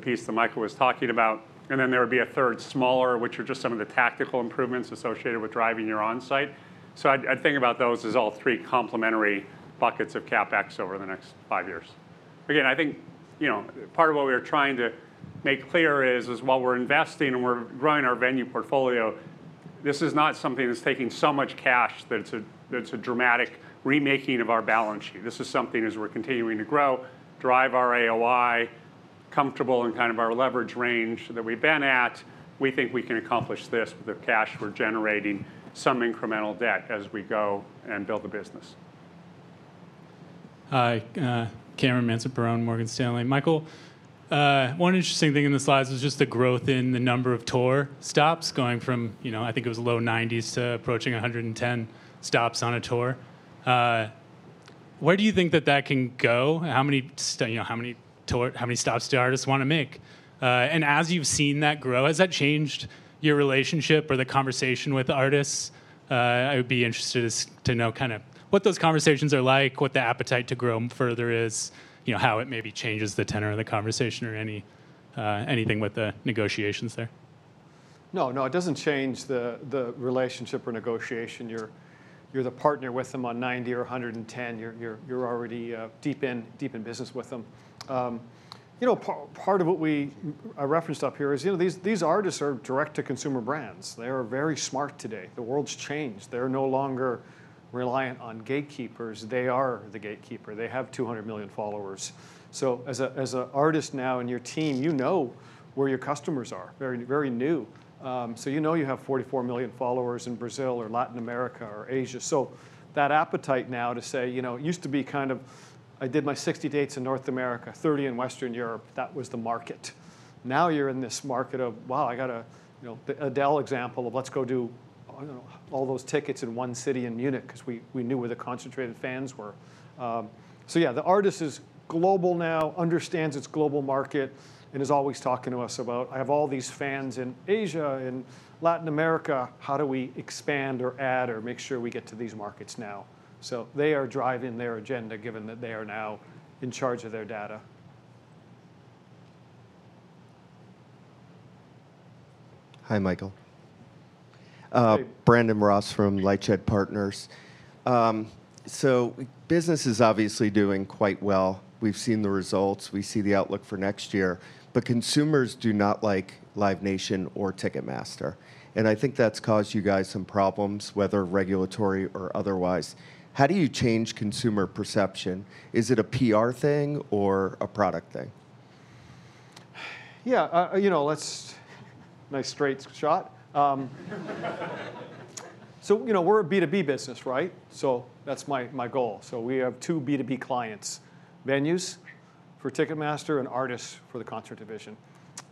piece that Michael was talking about. And then there would be a third smaller, which are just some of the tactical improvements associated with driving your onsite. So I think about those as all three complementary buckets of CapEx over the next five years. Again, I think part of what we were trying to make clear is while we're investing and we're growing our venue portfolio, this is not something that's taking so much cash that it's a dramatic remaking of our balance sheet. This is something, as we're continuing to grow, drive our AOI comfortable in kind of our leverage range that we've been at. We think we can accomplish this with the cash we're generating, some incremental debt as we go and build the business. Hi. Cameron Mansson-Perrone, Morgan Stanley. Michael, one interesting thing in the slides was just the growth in the number of tour stops going from, I think it was low 90s to approaching 110 stops on a tour. Where do you think that that can go? How many stops do artists want to make? And as you've seen that grow, has that changed your relationship or the conversation with artists? I would be interested to know kind of what those conversations are like, what the appetite to grow further is, how it maybe changes the tenor of the conversation or anything with the negotiations there. No, no. It doesn't change the relationship or negotiation. You're the partner with them on 90 or 110. You're already deep in business with them. Part of what we referenced up here is these artists are direct-to-consumer brands. They are very smart today. The world's changed. They're no longer reliant on gatekeepers. They are the gatekeeper. They have 200 million followers. So as an artist now in your team, you know where your customers are, very new. So you know you have 44 million followers in Brazil or Latin America or Asia. So that appetite now to say, it used to be kind of, I did my 60 dates in North America, 30 in Western Europe. That was the market. Now you're in this market of, wow, I got an Adele example of, let's go do all those tickets in one city in Munich because we knew where the concentrated fans were. So yeah, the artist is global now, understands its global market, and is always talking to us about, I have all these fans in Asia and Latin America. How do we expand or add or make sure we get to these markets now? So they are driving their agenda, given that they are now in charge of their data. Hi, Michael. Brandon Ross from LightShed Partners. So business is obviously doing quite well. We've seen the results. We see the outlook for next year. But consumers do not like Live Nation or Ticketmaster. And I think that's caused you guys some problems, whether regulatory or otherwise. How do you change consumer perception? Is it a PR thing or a product thing? Yeah. Nice straight shot. So we're a B2B business, right? So that's my goal. So we have two B2B clients, venues for Ticketmaster and artists for the concert division.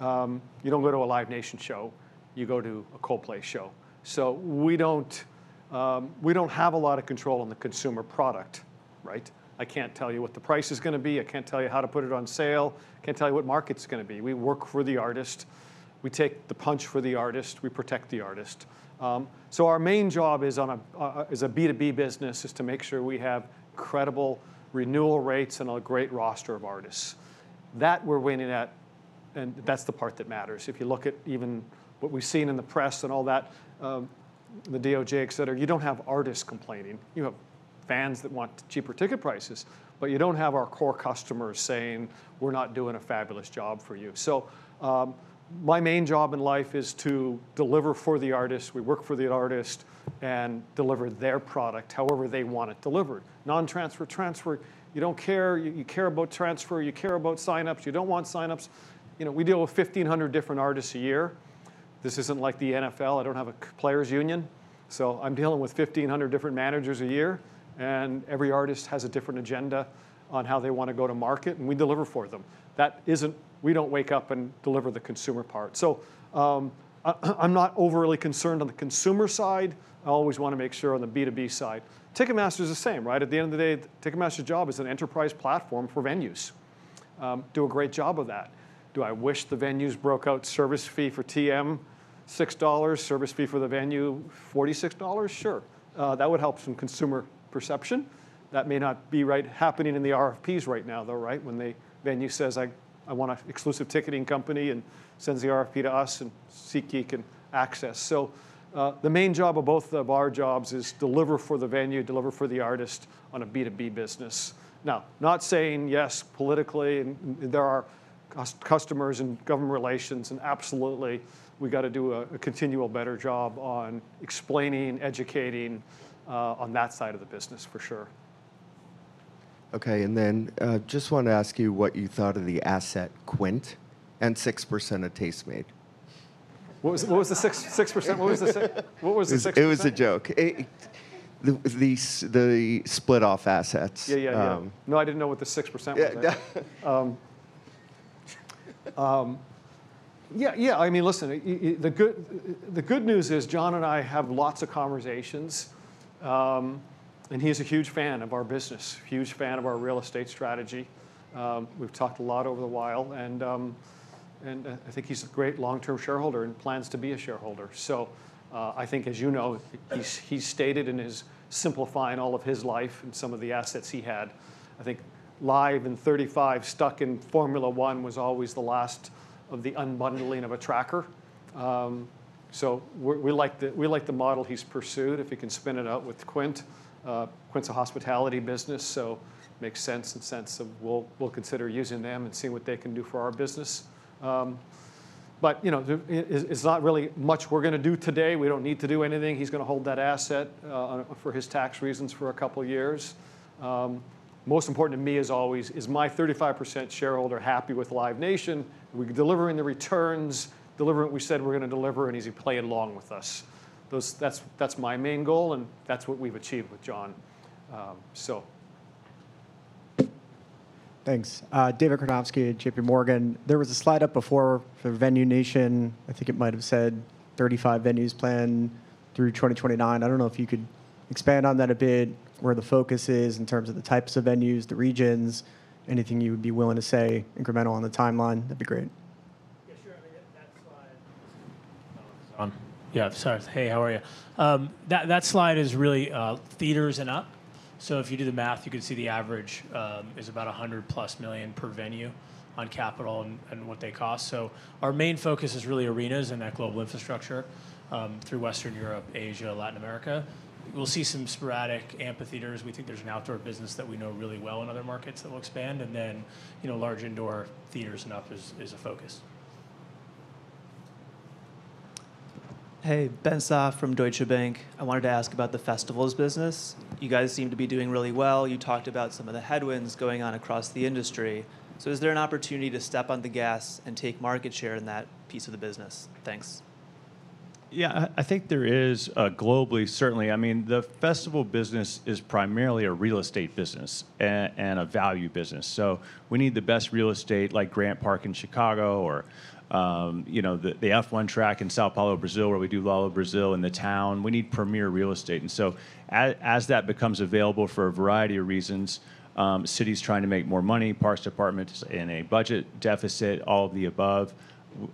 You don't go to a Live Nation show. You go to a Coldplay show. So we don't have a lot of control on the consumer product, right? I can't tell you what the price is going to be. I can't tell you how to put it on sale. I can't tell you what market it's going to be. We work for the artist. We take the punch for the artist. We protect the artist. So our main job as a B2B business is to make sure we have credible renewal rates and a great roster of artists. That we're winning at, and that's the part that matters. If you look at even what we've seen in the press and all that, the DOJ, et cetera, you don't have artists complaining. You have fans that want cheaper ticket prices, but you don't have our core customers saying, "We're not doing a fabulous job for you." So my main job in life is to deliver for the artist. We work for the artist and deliver their product however they want it delivered. Non-transfer transfer, you don't care. You care about transfer. You care about signups. You don't want signups. We deal with 1,500 different artists a year. This isn't like the NFL. I don't have a Players Union. So I'm dealing with 1,500 different managers a year. And every artist has a different agenda on how they want to go to market. And we deliver for them. We don't wake up and deliver the consumer part. So I'm not overly concerned on the consumer side. I always want to make sure on the B2B side. Ticketmaster is the same, right? At the end of the day, Ticketmaster's job is an enterprise platform for venues. Do a great job of that. Do I wish the venues broke out service fee for TM, $6, service fee for the venue, $46? Sure. That would help some consumer perception. That may not be right happening in the RFPs right now, though, right? When the venue says, I want an exclusive ticketing company and sends the RFP to us and SeatGeek and AXS. So the main job of both of our jobs is deliver for the venue, deliver for the artist on a B2B business. Now, not saying yes politically. There are customers and government relations. Absolutely, we've got to do a continual better job on explaining, educating on that side of the business, for sure. OK. And then just wanted to ask you what you thought of the asset Quint and 6% of Tastemade? What was the 6%? It was a joke. The split-off assets. Yeah, yeah, yeah. No, I didn't know what the 6% was. Yeah, yeah. I mean, listen, the good news is John and I have lots of conversations. And he's a huge fan of our business, huge fan of our real estate strategy. We've talked a lot over the while. And I think he's a great long-term shareholder and plans to be a shareholder. So I think, as you know, he's stated in his simplifying all of his life and some of the assets he had. I think Live in 35, stock in Formula One, was always the last of the unbundling of a tracker. So we like the model he's pursued. If he can spin it out with Quint, Quint's a hospitality business. So it makes sense in the sense of we'll consider using them and seeing what they can do for our business. But it's not really much we're going to do today. We don't need to do anything. He's going to hold that asset for his tax reasons for a couple of years. Most important to me is always, is my 35% shareholder happy with Live Nation? Are we delivering the returns? Delivering what we said we're going to deliver? And is he playing along with us? That's my main goal. And that's what we've achieved with John, so. Thanks. David Karnovsky, JPMorgan. There was a slide up before for Venue Nation. I think it might have said 35 venues planned through 2029. I don't know if you could expand on that a bit, where the focus is in terms of the types of venues, the regions. Anything you would be willing to say incremental on the timeline? That'd be great. Yeah, sure. That slide. Yeah. Sorry. Hey, how are you? That slide is really theaters and up. So if you do the math, you can see the average is about $100+ million per venue on capital and what they cost. So our main focus is really arenas and that global infrastructure through Western Europe, Asia, Latin America. We'll see some sporadic amphitheaters. We think there's an outdoor business that we know really well in other markets that will expand, and then large indoor theaters and up is a focus. Hey, Ben Soff from Deutsche Bank. I wanted to ask about the festivals business. You guys seem to be doing really well. You talked about some of the headwinds going on across the industry. So is there an opportunity to step on the gas and take market share in that piece of the business? Thanks. Yeah. I think there is globally, certainly. I mean, the festival business is primarily a real estate business and a value business. So we need the best real estate, like Grant Park in Chicago or the F1 track in São Paulo, Brazil, where we do Lollapalooza Brazil and The Town. We need premier real estate. And so as that becomes available for a variety of reasons, cities trying to make more money, parks departments in a budget deficit, all of the above,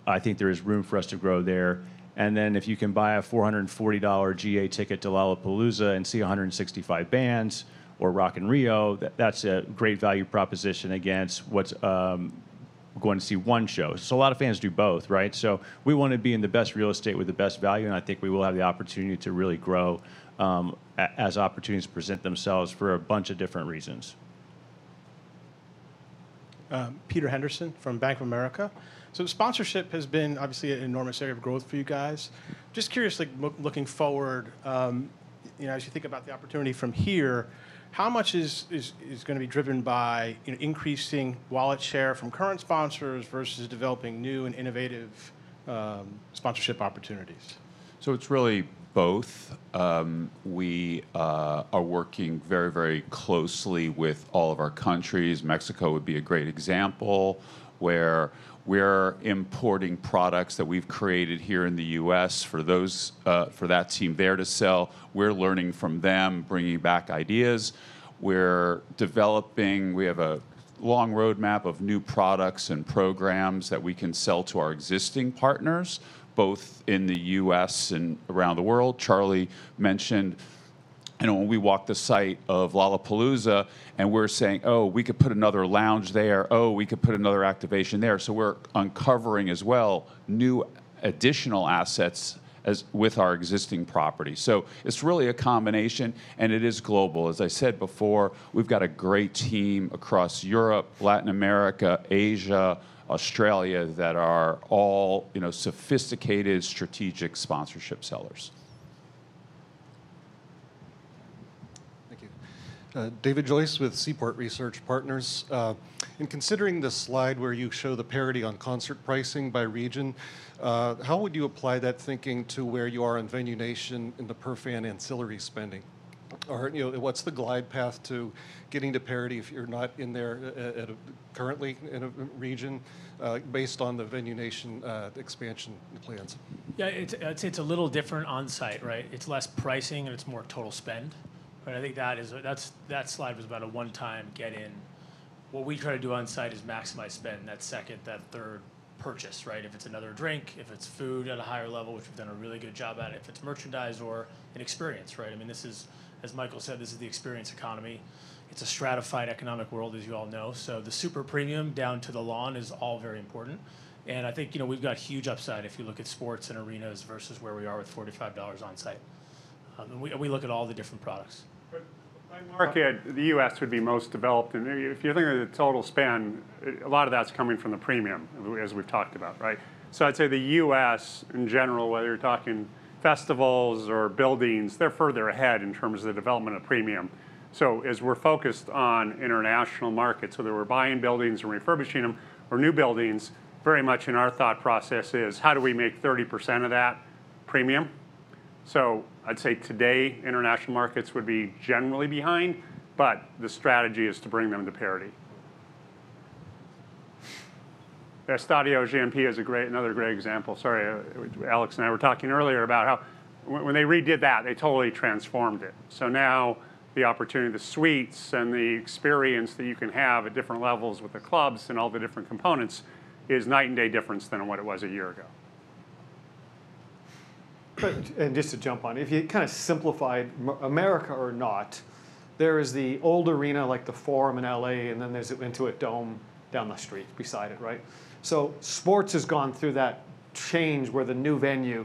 I think there is room for us to grow there. And then if you can buy a $440 GA ticket to Lollapalooza and see 165 bands or Rock in Rio, that's a great value proposition against going to see one show. So a lot of fans do both, right? So we want to be in the best real estate with the best value. I think we will have the opportunity to really grow as opportunities present themselves for a bunch of different reasons. Peter Henderson from Bank of America. So sponsorship has been obviously an enormous area of growth for you guys. Just curious, looking forward, as you think about the opportunity from here, how much is going to be driven by increasing wallet share from current sponsors versus developing new and innovative sponsorship opportunities? So it's really both. We are working very, very closely with all of our countries. Mexico would be a great example, where we're importing products that we've created here in the U.S. for that team there to sell. We're learning from them, bringing back ideas. We're developing. We have a long roadmap of new products and programs that we can sell to our existing partners, both in the U.S. and around the world. Charlie mentioned, when we walked the site of Lollapalooza, and we're saying, oh, we could put another lounge there. Oh, we could put another activation there. So we're uncovering as well new additional assets with our existing property. So it's really a combination. And it is global. As I said before, we've got a great team across Europe, Latin America, Asia, Australia that are all sophisticated strategic sponsorship sellers. Thank you. David Joyce with Seaport Research Partners. In considering the slide where you show the parity on concert pricing by region, how would you apply that thinking to where you are in Venue Nation in the per fan ancillary spending? Or what's the glide path to getting to parity if you're not currently in a region based on the Venue Nation expansion plans? Yeah. It's a little different on site, right? It's less pricing, and it's more total spend. I think that slide was about a one-time get-in. What we try to do on site is maximize spend in that second, that third purchase, right? If it's another drink, if it's food at a higher level, which we've done a really good job at it, if it's merchandise or an experience, right? I mean, as Michael said, this is the experience economy. It's a stratified economic world, as you all know. So the Super Premium down to the lawn is all very important. And I think we've got huge upside if you look at sports and arenas versus where we are with $45 on site. And we look at all the different products. Market, the U.S. would be most developed. And if you're thinking of the total span, a lot of that's coming from the Premium, as we've talked about, right? So I'd say the U.S., in general, whether you're talking festivals or buildings, they're further ahead in terms of the development of Premium. So as we're focused on international markets, whether we're buying buildings and refurbishing them or new buildings, very much in our thought process is, how do we make 30% of that Premium? So I'd say today, international markets would be generally behind. But the strategy is to bring them to parity. Estadio GNP is another great example. Sorry, Alex and I were talking earlier about how when they redid that, they totally transformed it. So now the opportunity, the suites, and the experience that you can have at different levels with the clubs and all the different components is a night-and-day difference than what it was a year ago. Just to jump on, if you kind of simplified America or not, there is the old arena, like The Forum in L.A., and then there's Intuit Dome down the street beside it, right? Sports has gone through that change where the new venue,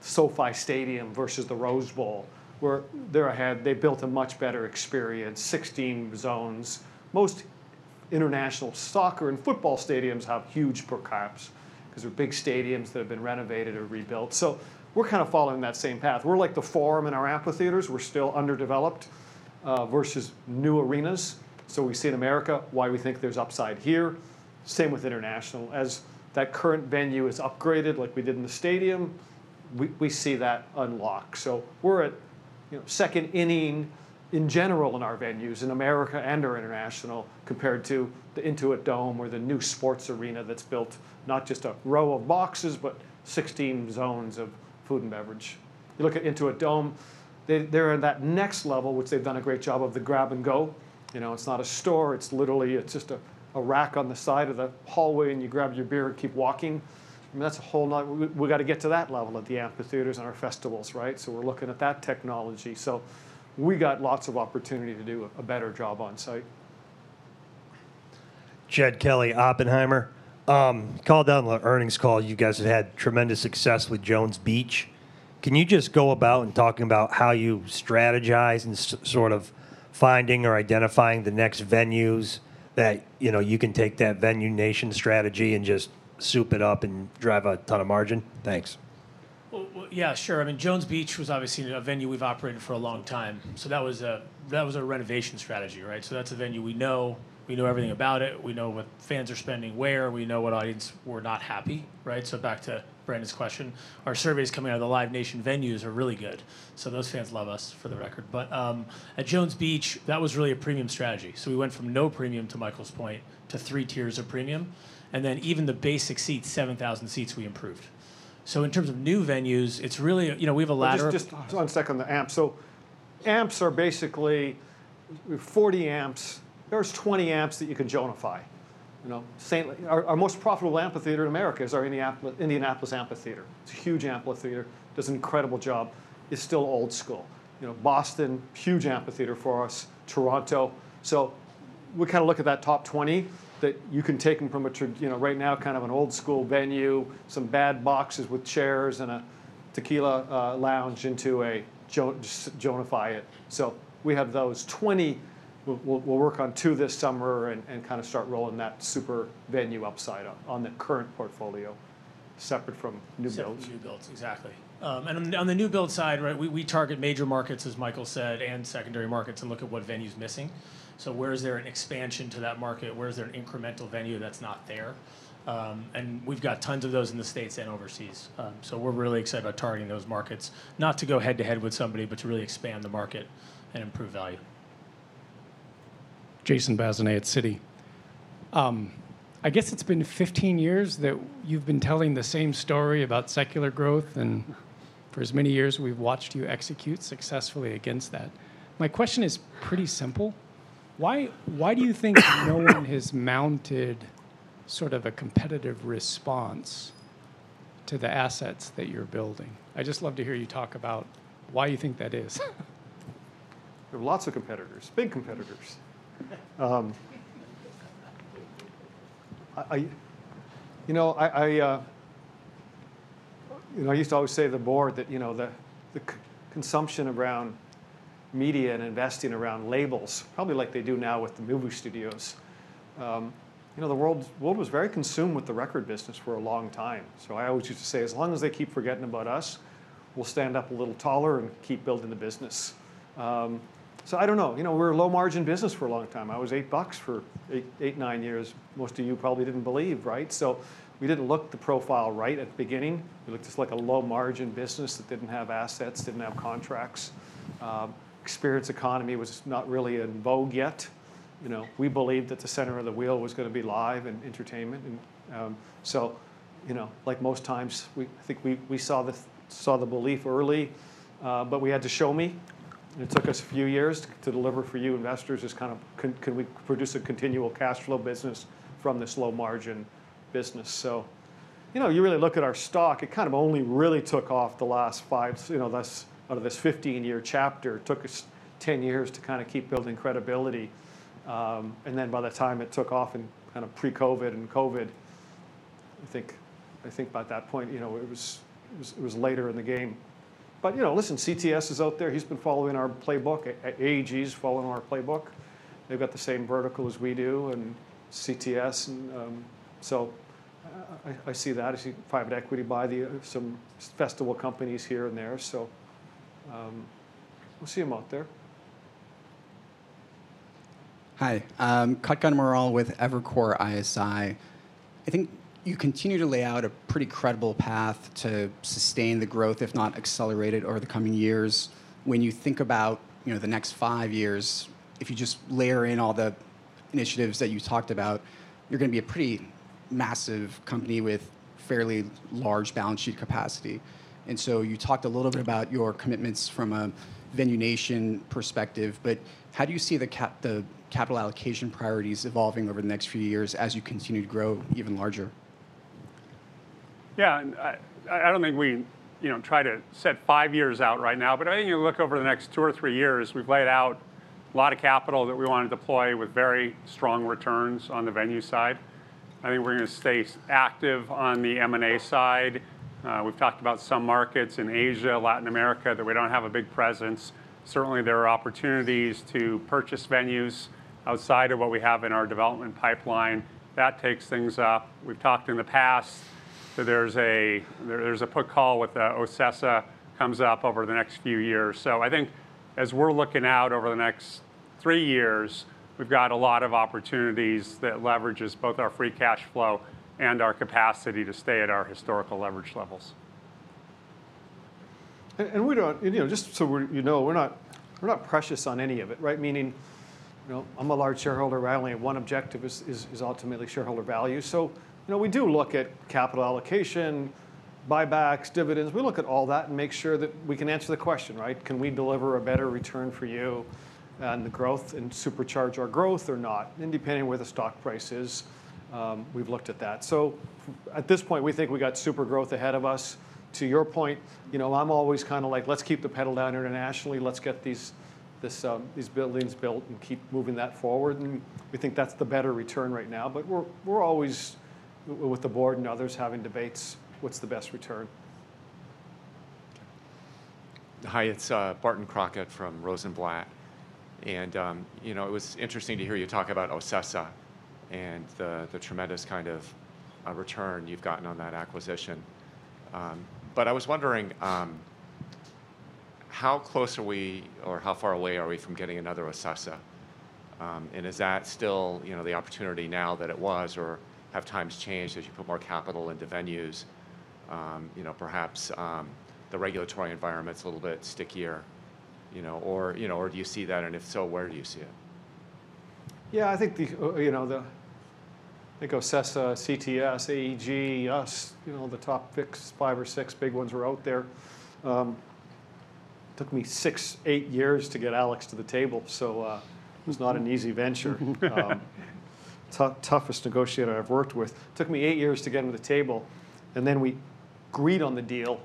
SoFi Stadium versus the Rose Bowl, where they're ahead. They built a much better experience, 16 zones. Most international soccer and football stadiums have huge per caps because they're big stadiums that have been renovated or rebuilt. We're kind of following that same path. We're like The Forum in our amphitheaters. We're still underdeveloped versus new arenas. We see in America why we think there's upside here. Same with international. As that current venue is upgraded like we did in the stadium, we see that unlock. So we're at second inning in general in our venues in America and our international compared to the Intuit Dome or the new sports arena that's built not just a row of boxes, but 16 zones of food and beverage. You look at Intuit Dome, they're at that next level, which they've done a great job of the grab and go. It's not a store. It's literally just a rack on the side of the hallway, and you grab your beer and keep walking. I mean, that's a whole nother we've got to get to that level at the amphitheaters and our festivals, right? So we're looking at that technology. So we've got lots of opportunity to do a better job on site. Jed Kelly, Oppenheimer, called out on the earnings call, you guys have had tremendous success with Jones Beach. Can you just go about and talk about how you strategize and sort of finding or identifying the next venues that you can take that Venue Nation strategy and just soup it up and drive a ton of margin? Thanks. Well, yeah, sure. I mean, Jones Beach was obviously a venue we've operated for a long time. So that was a renovation strategy, right? So that's a venue we know. We know everything about it. We know what fans are spending where. We know what audience were not happy, right? So back to Brandon's question. Our surveys coming out of the Live Nation venues are really good. So those fans love us, for the record. But at Jones Beach, that was really a Premium strategy. So we went from no Premium, to Michael's point, to three tiers of Premium. And then even the basic seats, 7,000 seats, we improved. So in terms of new venues, it's really we have a ladder. Just one second on the amps. So amps are basically 40 amps. There's 20 amps that you can Jones-ify Our most profitable amphitheater in America is our Indianapolis Amphitheater. It's a huge amphitheater. Does an incredible job. It's still old school. Boston, huge amphitheater for us. Toronto. So we kind of look at that top 20 that you can take them from, right now kind of an old school venue, some bad boxes with chairs and a tequila lounge into a Jones-ify it. So we have those 20. We'll work on two this summer and kind of start rolling that super venue upside on the current portfolio separate from new builds. Exactly. And on the new build side, we target major markets, as Michael said, and secondary markets and look at what venue is missing. So where is there an expansion to that market? Where is there an incremental venue that's not there? And we've got tons of those in the States and overseas. So we're really excited about targeting those markets, not to go head to head with somebody, but to really expand the market and improve value. Jason Bazinet at Citi. I guess it's been 15 years that you've been telling the same story about secular growth. And for as many years we've watched you execute successfully against that. My question is pretty simple. Why do you think no one has mounted sort of a competitive response to the assets that you're building? I'd just love to hear you talk about why you think that is. There are lots of competitors, big competitors. I used to always say to the board that the consumption around media and investing around labels, probably like they do now with the movie studios, the world was very consumed with the record business for a long time. So I always used to say, as long as they keep forgetting about us, we'll stand up a little taller and keep building the business. So I don't know. We were a low-margin business for a long time. I was $8 for eight, nine years. Most of you probably didn't believe, right? So we didn't look at the profile right at the beginning. We looked just like a low-margin business that didn't have assets, didn't have contracts. Experience economy was not really in vogue yet. We believed that the center of the wheel was going to be live and entertainment. Like most times, I think we saw the belief early, but we had to show you. It took us a few years to deliver for you investors as kind of can we produce a continual cash flow business from this low-margin business. You really look at our stock; it kind of only really took off the last five out of this 15-year chapter. It took us 10 years to kind of keep building credibility. Then by the time it took off in kind of pre-COVID and COVID, I think by that point, it was later in the game. Listen, CTS is out there. He's been following our playbook. AEG is following our playbook. They've got the same vertical as we do and CTS. I see that. I see private equity buy some festival companies here and there. We'll see them out there. Hi. Kutgun Maral with Evercore ISI. I think you continue to lay out a pretty credible path to sustain the growth, if not accelerate it over the coming years. When you think about the next five years, if you just layer in all the initiatives that you talked about, you're going to be a pretty massive company with fairly large balance sheet capacity. And so you talked a little bit about your commitments from a Venue Nation perspective. But how do you see the capital allocation priorities evolving over the next few years as you continue to grow even larger? Yeah. I don't think we try to set five years out right now. But I think you look over the next two or three years, we've laid out a lot of capital that we want to deploy with very strong returns on the venue side. I think we're going to stay active on the M&A side. We've talked about some markets in Asia, Latin America, that we don't have a big presence. Certainly, there are opportunities to purchase venues outside of what we have in our development pipeline. That takes things up. We've talked in the past that there's a put call with OCESA comes up over the next few years. So I think as we're looking out over the next three years, we've got a lot of opportunities that leverage both our free cash flow and our capacity to stay at our historical leverage levels. And just so you know, we're not precious on any of it, right? Meaning I'm a large shareholder. I only have one objective, which is ultimately shareholder value. So we do look at capital allocation, buybacks, dividends. We look at all that and make sure that we can answer the question, right? Can we deliver a better return for you on the growth and supercharge our growth or not? And depending on where the stock price is, we've looked at that. So at this point, we think we've got super growth ahead of us. To your point, I'm always kind of like, let's keep the pedal down internationally. Let's get these buildings built and keep moving that forward. And we think that's the better return right now. But we're always with the board and others having debates, what's the best return? Hi. It's Barton Crockett from Rosenblatt. And it was interesting to hear you talk about OCESA and the tremendous kind of return you've gotten on that acquisition. But I was wondering, how close are we or how far away are we from getting another OCESA? And is that still the opportunity now that it was, or have times changed as you put more capital into venues? Perhaps the regulatory environment's a little bit stickier. Or do you see that? And if so, where do you see it? Yeah. I think OCESA, CTS, AEG, us, the top five or six big ones were out there. It took me six to eight years to get Alex to the table. So it was not an easy venture. Toughest negotiator I've worked with. It took me eight years to get him to the table. And then we agreed on the deal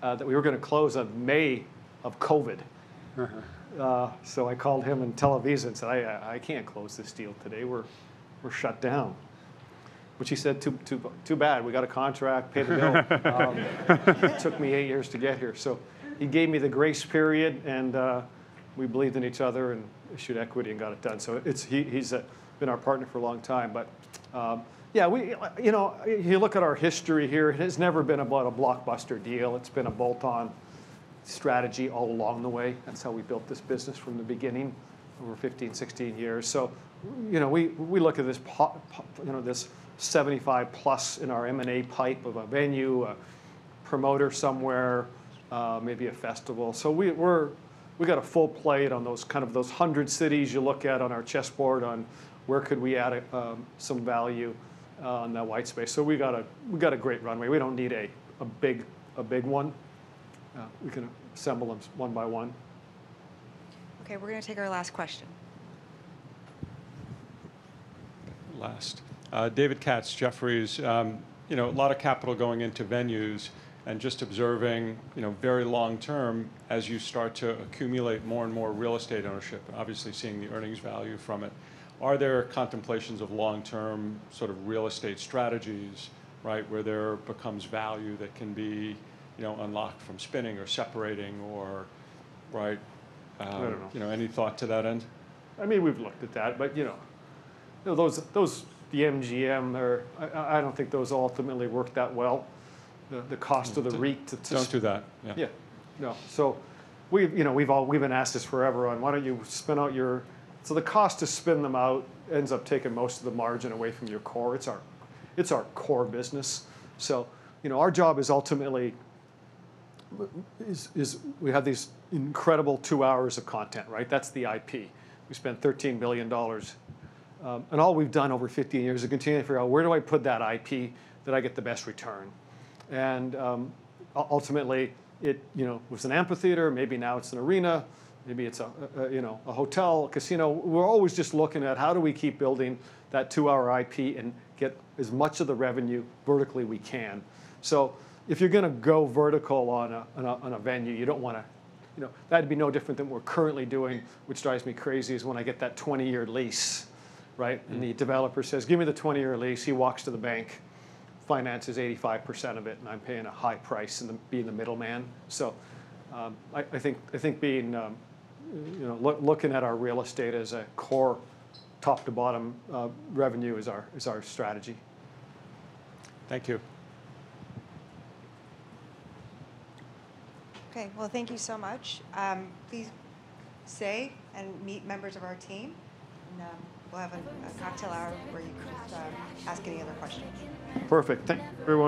that we were going to close in May of COVID. So I called him and said, I can't close this deal today. We're shut down. To which he said, too bad. We got a contract, paid the bill. It took me eight years to get here. So he gave me the grace period. And we believed in each other and issued equity and got it done. So he's been our partner for a long time. But yeah, you look at our history here. It's never been about a blockbuster deal. It's been a bolt-on strategy all along the way. That's how we built this business from the beginning over 15, 16 years. So we look at this 75+ in our M&A pipe of a venue, a promoter somewhere, maybe a festival. So we've got a full plate on those kind of 100 cities you look at on our chessboard on where could we add some value on that white space. So we've got a great runway. We don't need a big one. We can assemble them one by one. OK. We're going to take our last question. Last, David Katz, Jefferies. A lot of capital going into venues and just observing very long term as you start to accumulate more and more real estate ownership, obviously seeing the earnings value from it. Are there contemplations of long-term sort of real estate strategies where there becomes value that can be unlocked from spinning or separating or any thought to that end? I mean, we've looked at that, but those The MGM, I don't think those ultimately worked that well. The cost of the REIT too. Don't do that. Yeah. So we've been asked this forever on, why don't you spin out your venues so the cost to spin them out ends up taking most of the margin away from your core. It's our core business. So our job is ultimately we have these incredible two hours of content, right? That's the IP. We spent $13 billion. And all we've done over 15 years is continue to figure out, where do I put that IP that I get the best return? And ultimately, it was an amphitheater. Maybe now it's an arena. Maybe it's a hotel, a casino. We're always just looking at, how do we keep building that two-hour IP and get as much of the revenue vertically we can? So if you're going to go vertical on a venue, you don't want to. That'd be no different than what we're currently doing. What drives me crazy is when I get that 20-year lease, right? And the developer says, give me the 20-year lease. He walks to the bank, finances 85% of it. And I'm paying a high price and being the middleman. So I think looking at our real estate as a core top to bottom revenue is our strategy. Thank you. OK. Thank you so much. Please stay and meet members of our team. We'll have a cocktail hour where you can ask any other questions. Perfect. Thank you.